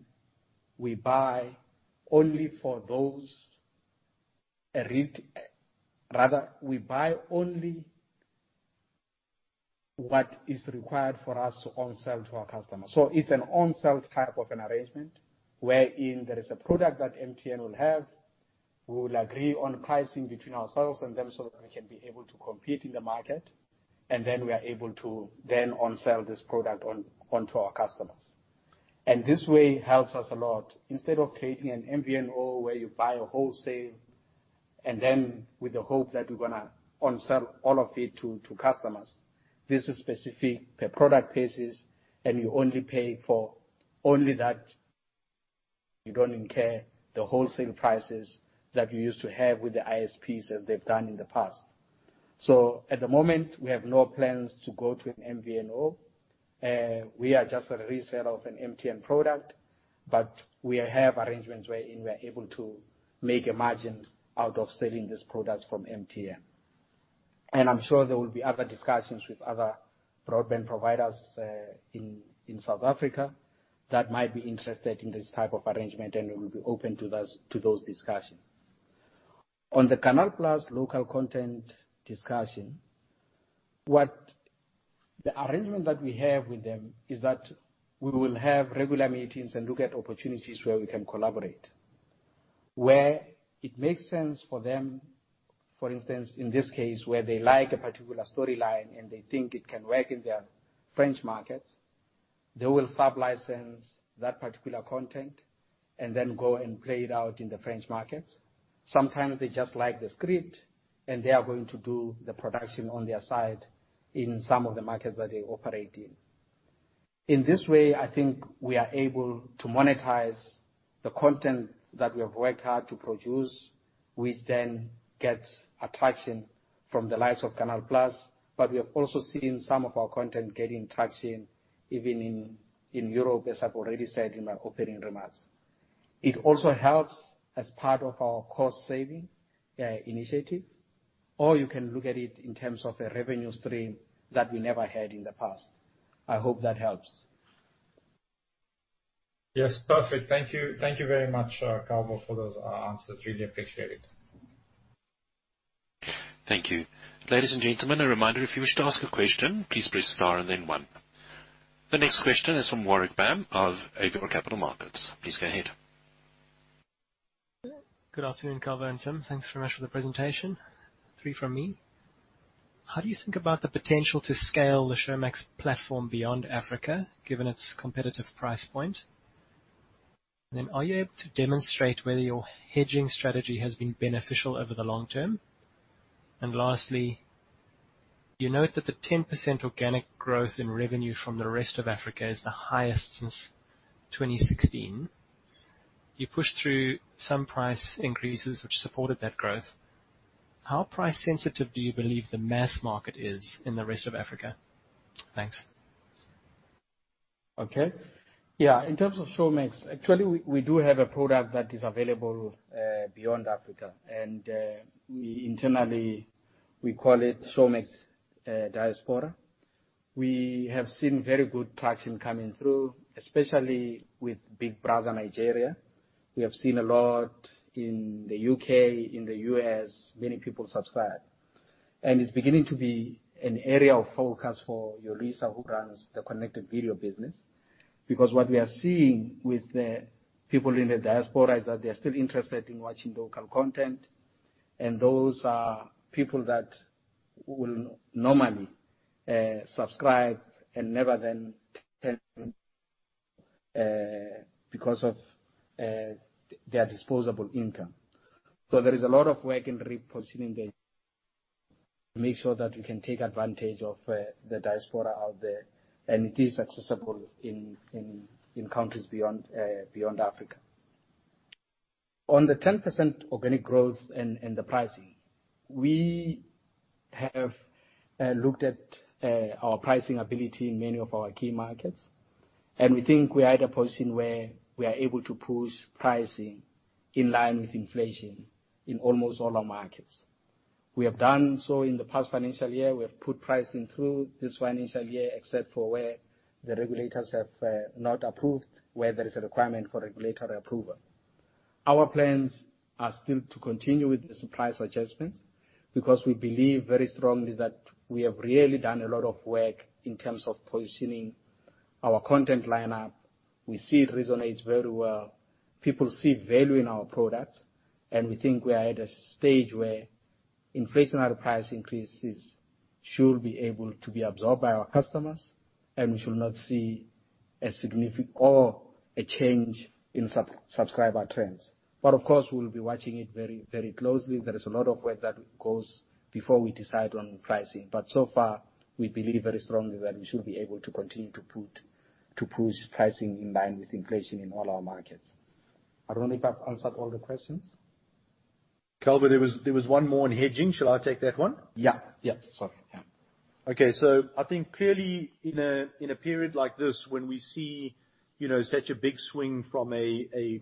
we buy only what is required for us to on-sell to our customers. It's an on-sell type of an arrangement wherein there is a product that MTN will have. We will agree on pricing between ourselves and them, so that we can be able to compete in the market, and then we are able to then on-sell this product on to our customers. This way helps us a lot. Instead of creating an MVNO where you buy wholesale, and then with the hope that you're gonna on-sell all of it to customers, this is specific per product basis, and you only pay for only that, you don't incur the wholesale prices that you used to have with the ISPs as they've done in the past. At the moment, we have no plans to go to an MVNO. We are just a reseller of an MTN product, but we have arrangements wherein we are able to make a margin out of selling these products from MTN. I'm sure there will be other discussions with other broadband providers, in South Africa that might be interested in this type of arrangement, and we'll be open to those discussions. On the Canal+ local content discussion, what the arrangement that we have with them is that we will have regular meetings and look at opportunities where we can collaborate. Where it makes sense for them, for instance, in this case, where they like a particular storyline, and they think it can work in their French markets, they will sublicense that particular content and then go and play it out in the French markets. Sometimes they just like the script, and they are going to do the production on their side in some of the markets that they operate in. In this way, I think we are able to monetize the content that we have worked hard to produce, which then gets attraction from the likes of Canal+. We have also seen some of our content getting traction even in Europe, as I've already said in my opening remarks. It also helps as part of our cost-saving initiative, or you can look at it in terms of a revenue stream that we never had in the past. I hope that helps. Yes, perfect. Thank you. Thank you very much, Calvo, for those answers. I really appreciate it. Thank you. Ladies and gentlemen, a reminder, if you wish to ask a question, please press star and then one. The next question is from Warwick Bam of Avior Capital Markets. Please go ahead. Good afternoon, Calvin and Tim. Thanks very much for the presentation. Three from me. How do you think about the potential to scale the Showmax platform beyond Africa, given its competitive price point? Then, are you able to demonstrate whether your hedging strategy has been beneficial over the long term? Lastly, you note that the 10% organic growth in revenue from the rest of Africa is the highest since 2016. You pushed through some price increases which supported that growth. How price sensitive do you believe the mass market is in the rest of Africa? Thanks. Okay. Yeah. In terms of Showmax, actually, we do have a product that is available beyond Africa, and we internally call it Showmax Diaspora. We have seen very good traction coming through, especially with Big Brother Nigeria. We have seen a lot in the U.K., in the U.S. Many people subscribe. It's beginning to be an area of focus for Yolisa, who runs the connected video business. Because what we are seeing with the people in the diaspora is that they're still interested in watching local content. Those are people that will normally subscribe and never then because of their disposable income. There is a lot of work in repositioning the to make sure that we can take advantage of the diaspora out there, and it is accessible in countries beyond Africa. On the 10% organic growth and the pricing, we have looked at our pricing ability in many of our key markets, and we think we are at a position where we are able to push pricing in line with inflation in almost all our markets. We have done so in the past financial year. We have put pricing through this financial year, except for where the regulators have not approved, where there is a requirement for regulatory approval. Our plans are still to continue with these price adjustments because we believe very strongly that we have really done a lot of work in terms of positioning our content lineup. We see it resonates very well. People see value in our products, and we think we are at a stage where inflationary price increases should be able to be absorbed by our customers, and we should not see a change in subscriber trends. Of course, we'll be watching it very, very closely. There is a lot of work that goes before we decide on pricing, but so far, we believe very strongly that we should be able to continue to push pricing in line with inflation in all our markets. I don't know if I've answered all the questions. Calvin, there was one more on hedging. Shall I take that one? Yeah. Sorry. Yeah. Okay. I think clearly in a period like this, when we see, you know, such a big swing from a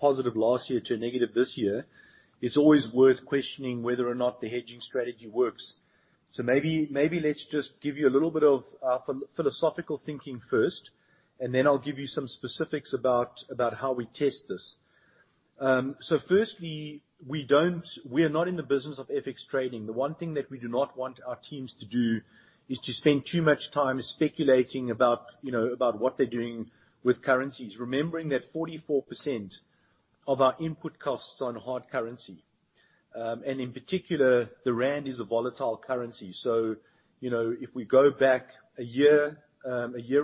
positive last year to a negative this year, it's always worth questioning whether or not the hedging strategy works. Maybe let's just give you a little bit of philosophical thinking first, and then I'll give you some specifics about how we test this. Firstly, we are not in the business of FX trading. The one thing that we do not want our teams to do is to spend too much time speculating about, you know, about what they're doing with currencies. Remembering that 44% of our input costs are on hard currency, and in particular, the rand is a volatile currency. You know, if we go back a year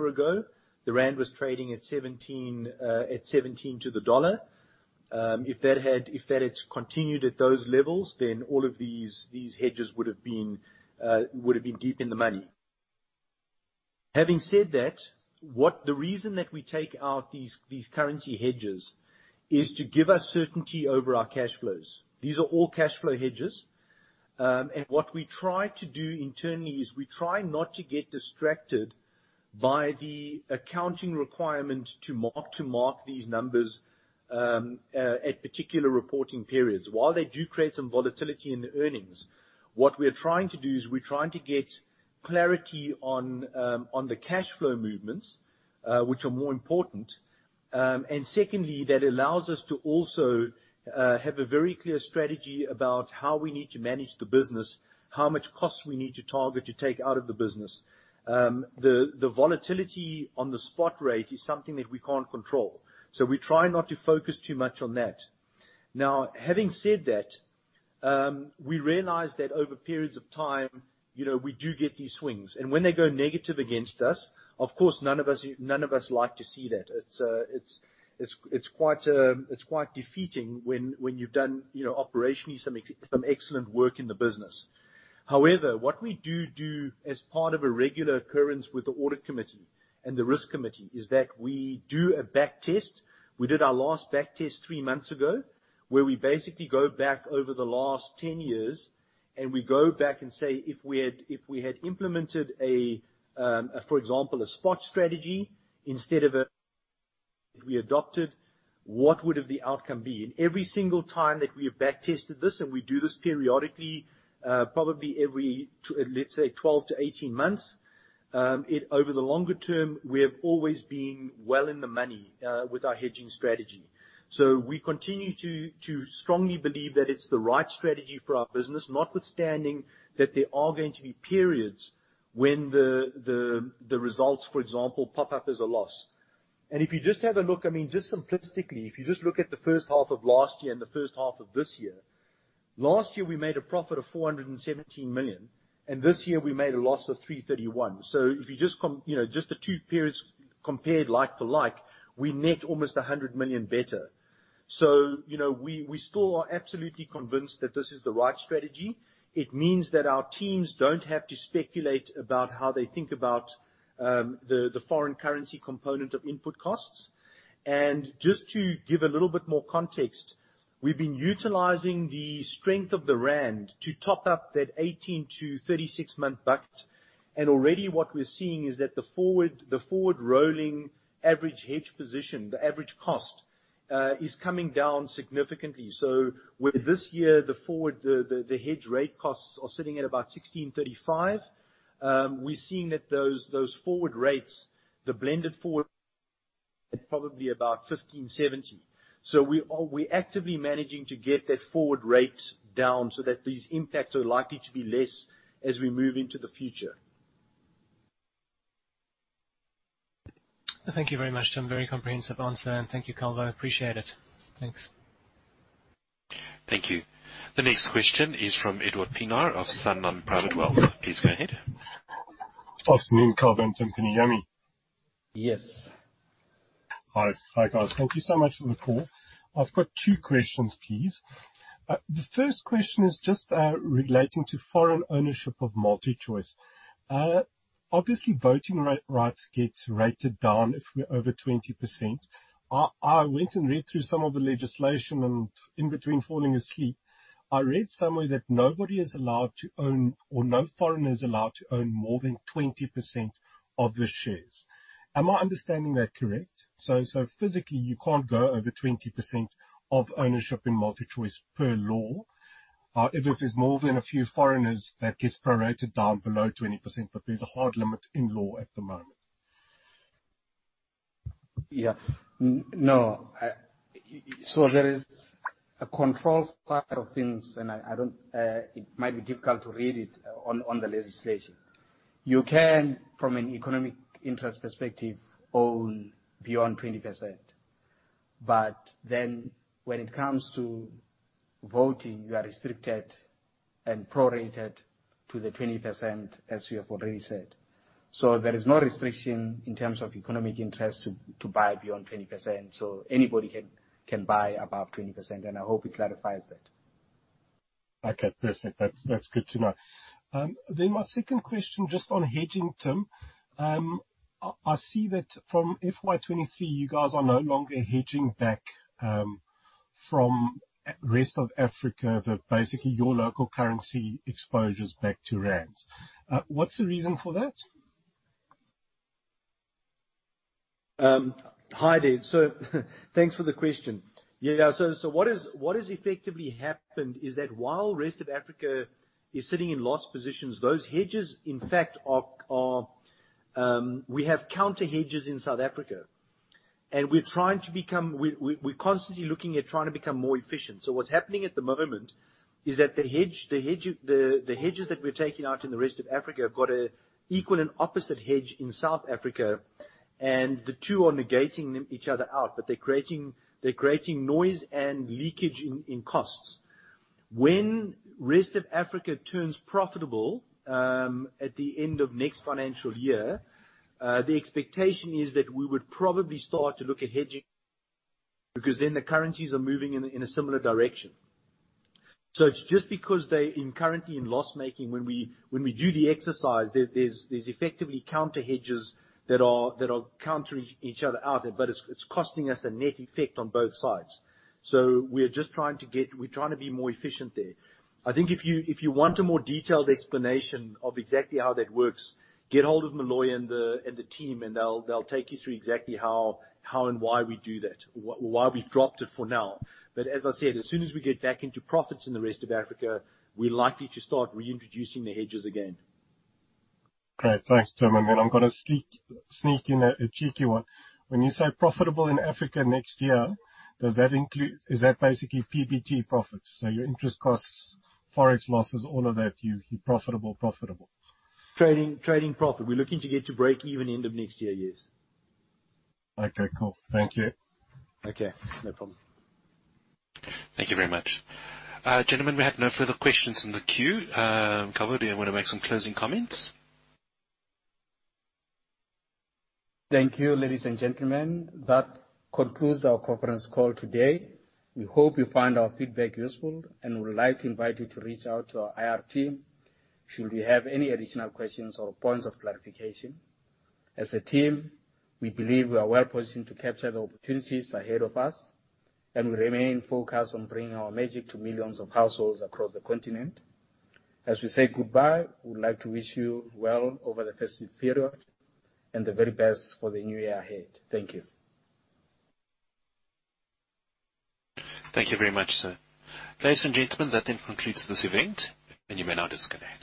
ago, the rand was trading at 17 to the dollar. If that had continued at those levels, then all of these hedges would've been deep in the money. Having said that, what the reason that we take out these currency hedges is to give us certainty over our cash flows. These are all cash flow hedges. What we try to do internally is we try not to get distracted by the accounting requirement to mark these numbers at particular reporting periods. While they do create some volatility in the earnings, what we are trying to do is we're trying to get clarity on the cash flow movements, which are more important. Secondly, that allows us to also have a very clear strategy about how we need to manage the business, how much cost we need to target to take out of the business. The volatility on the spot rate is something that we can't control, so we try not to focus too much on that. Now, having said that, we realize that over periods of time, you know, we do get these swings, and when they go negative against us, of course, none of us like to see that. It's quite defeating when you've done, you know, operationally some excellent work in the business. However, what we do as part of a regular occurrence with the audit committee and the risk committee is that we do a back test. We did our last back test three months ago, where we basically go back over the last 10 years, and we go back and say, if we had implemented a, for example, a spot strategy instead of a that we adopted, what would have the outcome been? Every single time that we have back tested this, and we do this periodically, probably every let's say 12-18 months, over the longer term, we have always been well in the money with our hedging strategy. We continue to strongly believe that it's the right strategy for our business, notwithstanding that there are going to be periods when the results, for example, pop up as a loss. If you just have a look, I mean, just simplistically, if you just look at the first half of last year and the first half of this year, last year we made a profit of 417 million, and this year we made a loss of 331 million. If you just you know, just the two periods compared like for like, we net almost 100 million better. You know, we still are absolutely convinced that this is the right strategy. It means that our teams don't have to speculate about how they think about the foreign currency component of input costs. Just to give a little bit more context, we've been utilizing the strength of the rand to top up that 18-36 month bucket, and already what we're seeing is that the forward-rolling average hedge position, the average cost, is coming down significantly. Where this year the hedge rate costs are sitting at about 16.35, we're seeing that those forward rates, the blended forward at probably about 15.70. We're actively managing to get that forward rate down so that these impacts are likely to be less as we move into the future. Thank you very much, Tim. Very comprehensive answer, and thank you, Calvin. Appreciate it. Thanks. Thank you. The next question is from Edward Gilmer of Sanlam Private Wealth. Please go ahead. Afternoon, Calvo and Tim Jacobs. Yes. Hi. Hi, guys. Thank you so much for the call. I've got two questions, please. The first question is just relating to foreign ownership of MultiChoice. Obviously, voting rights get watered down if we're over 20%. I went and read through some of the legislation and in between falling asleep, I read somewhere that no foreigner is allowed to own more than 20% of the shares. Am I understanding that correctly? Physically, you can't go over 20% of ownership in MultiChoice per law. If there's more than a few foreigners, that gets prorated down below 20%, but there's a hard limit in law at the moment. No. There is a control side of things, and it might be difficult to read it on the legislation. You can, from an economic interest perspective, own beyond 20%. When it comes to voting, you are restricted and prorated to the 20%, as you have already said. There is no restriction in terms of economic interest to buy beyond 20%. Anybody can buy above 20%, and I hope it clarifies that. Okay. Perfect. That's good to know. My second question, just on hedging, Tim. I see that from FY 2023, you guys are no longer hedging back from rest of Africa, but basically your local currency exposure's back to rand. What's the reason for that? Hi there. Thanks for the question. What has effectively happened is that while Rest of Africa is sitting in loss positions, those hedges, in fact, are. We have counter hedges in South Africa, and we're constantly looking at trying to become more efficient. What's happening at the moment is that the hedges that we're taking out in the Rest of Africa have got an equal and opposite hedge in South Africa, and the two are negating each other out, but they're creating noise and leakage in costs. When Rest of Africa turns profitable at the end of next financial year, the expectation is that we would probably start to look at hedging, because then the currencies are moving in a similar direction. It's just because they're currently in loss making, when we do the exercise, there's effectively counter hedges that are countering each other out, but it's costing us a net effect on both sides. We're trying to be more efficient there. I think if you want a more detailed explanation of exactly how that works, get hold of Meloy and the team, and they'll take you through exactly how and why we do that. Why we've dropped it for now. As I said, as soon as we get back into profits in the rest of Africa, we're likely to start reintroducing the hedges again. Great. Thanks, Tim. I'm gonna sneak in a cheeky one. When you say profitable in Africa next year, does that include? Is that basically PBT profits? Your interest costs, forex losses, all of that, you profitable. Trading profit. We're looking to get to break even end of next year. Yes. Okay. Cool. Thank you. Okay. No problem. Thank you very much. Gentlemen, we have no further questions in the queue. Calvo, do you wanna make some closing comments? Thank you, ladies and gentlemen. That concludes our conference call today. We hope you find our feedback useful, and we would like to invite you to reach out to our IR team should you have any additional questions or points of clarification. As a team, we believe we are well-positioned to capture the opportunities ahead of us, and we remain focused on bringing our magic to millions of households across the continent. As we say goodbye, we would like to wish you well over the festive period and the very best for the new year ahead. Thank you. Thank you very much, sir. Ladies and gentlemen, that then concludes this event, and you may now disconnect.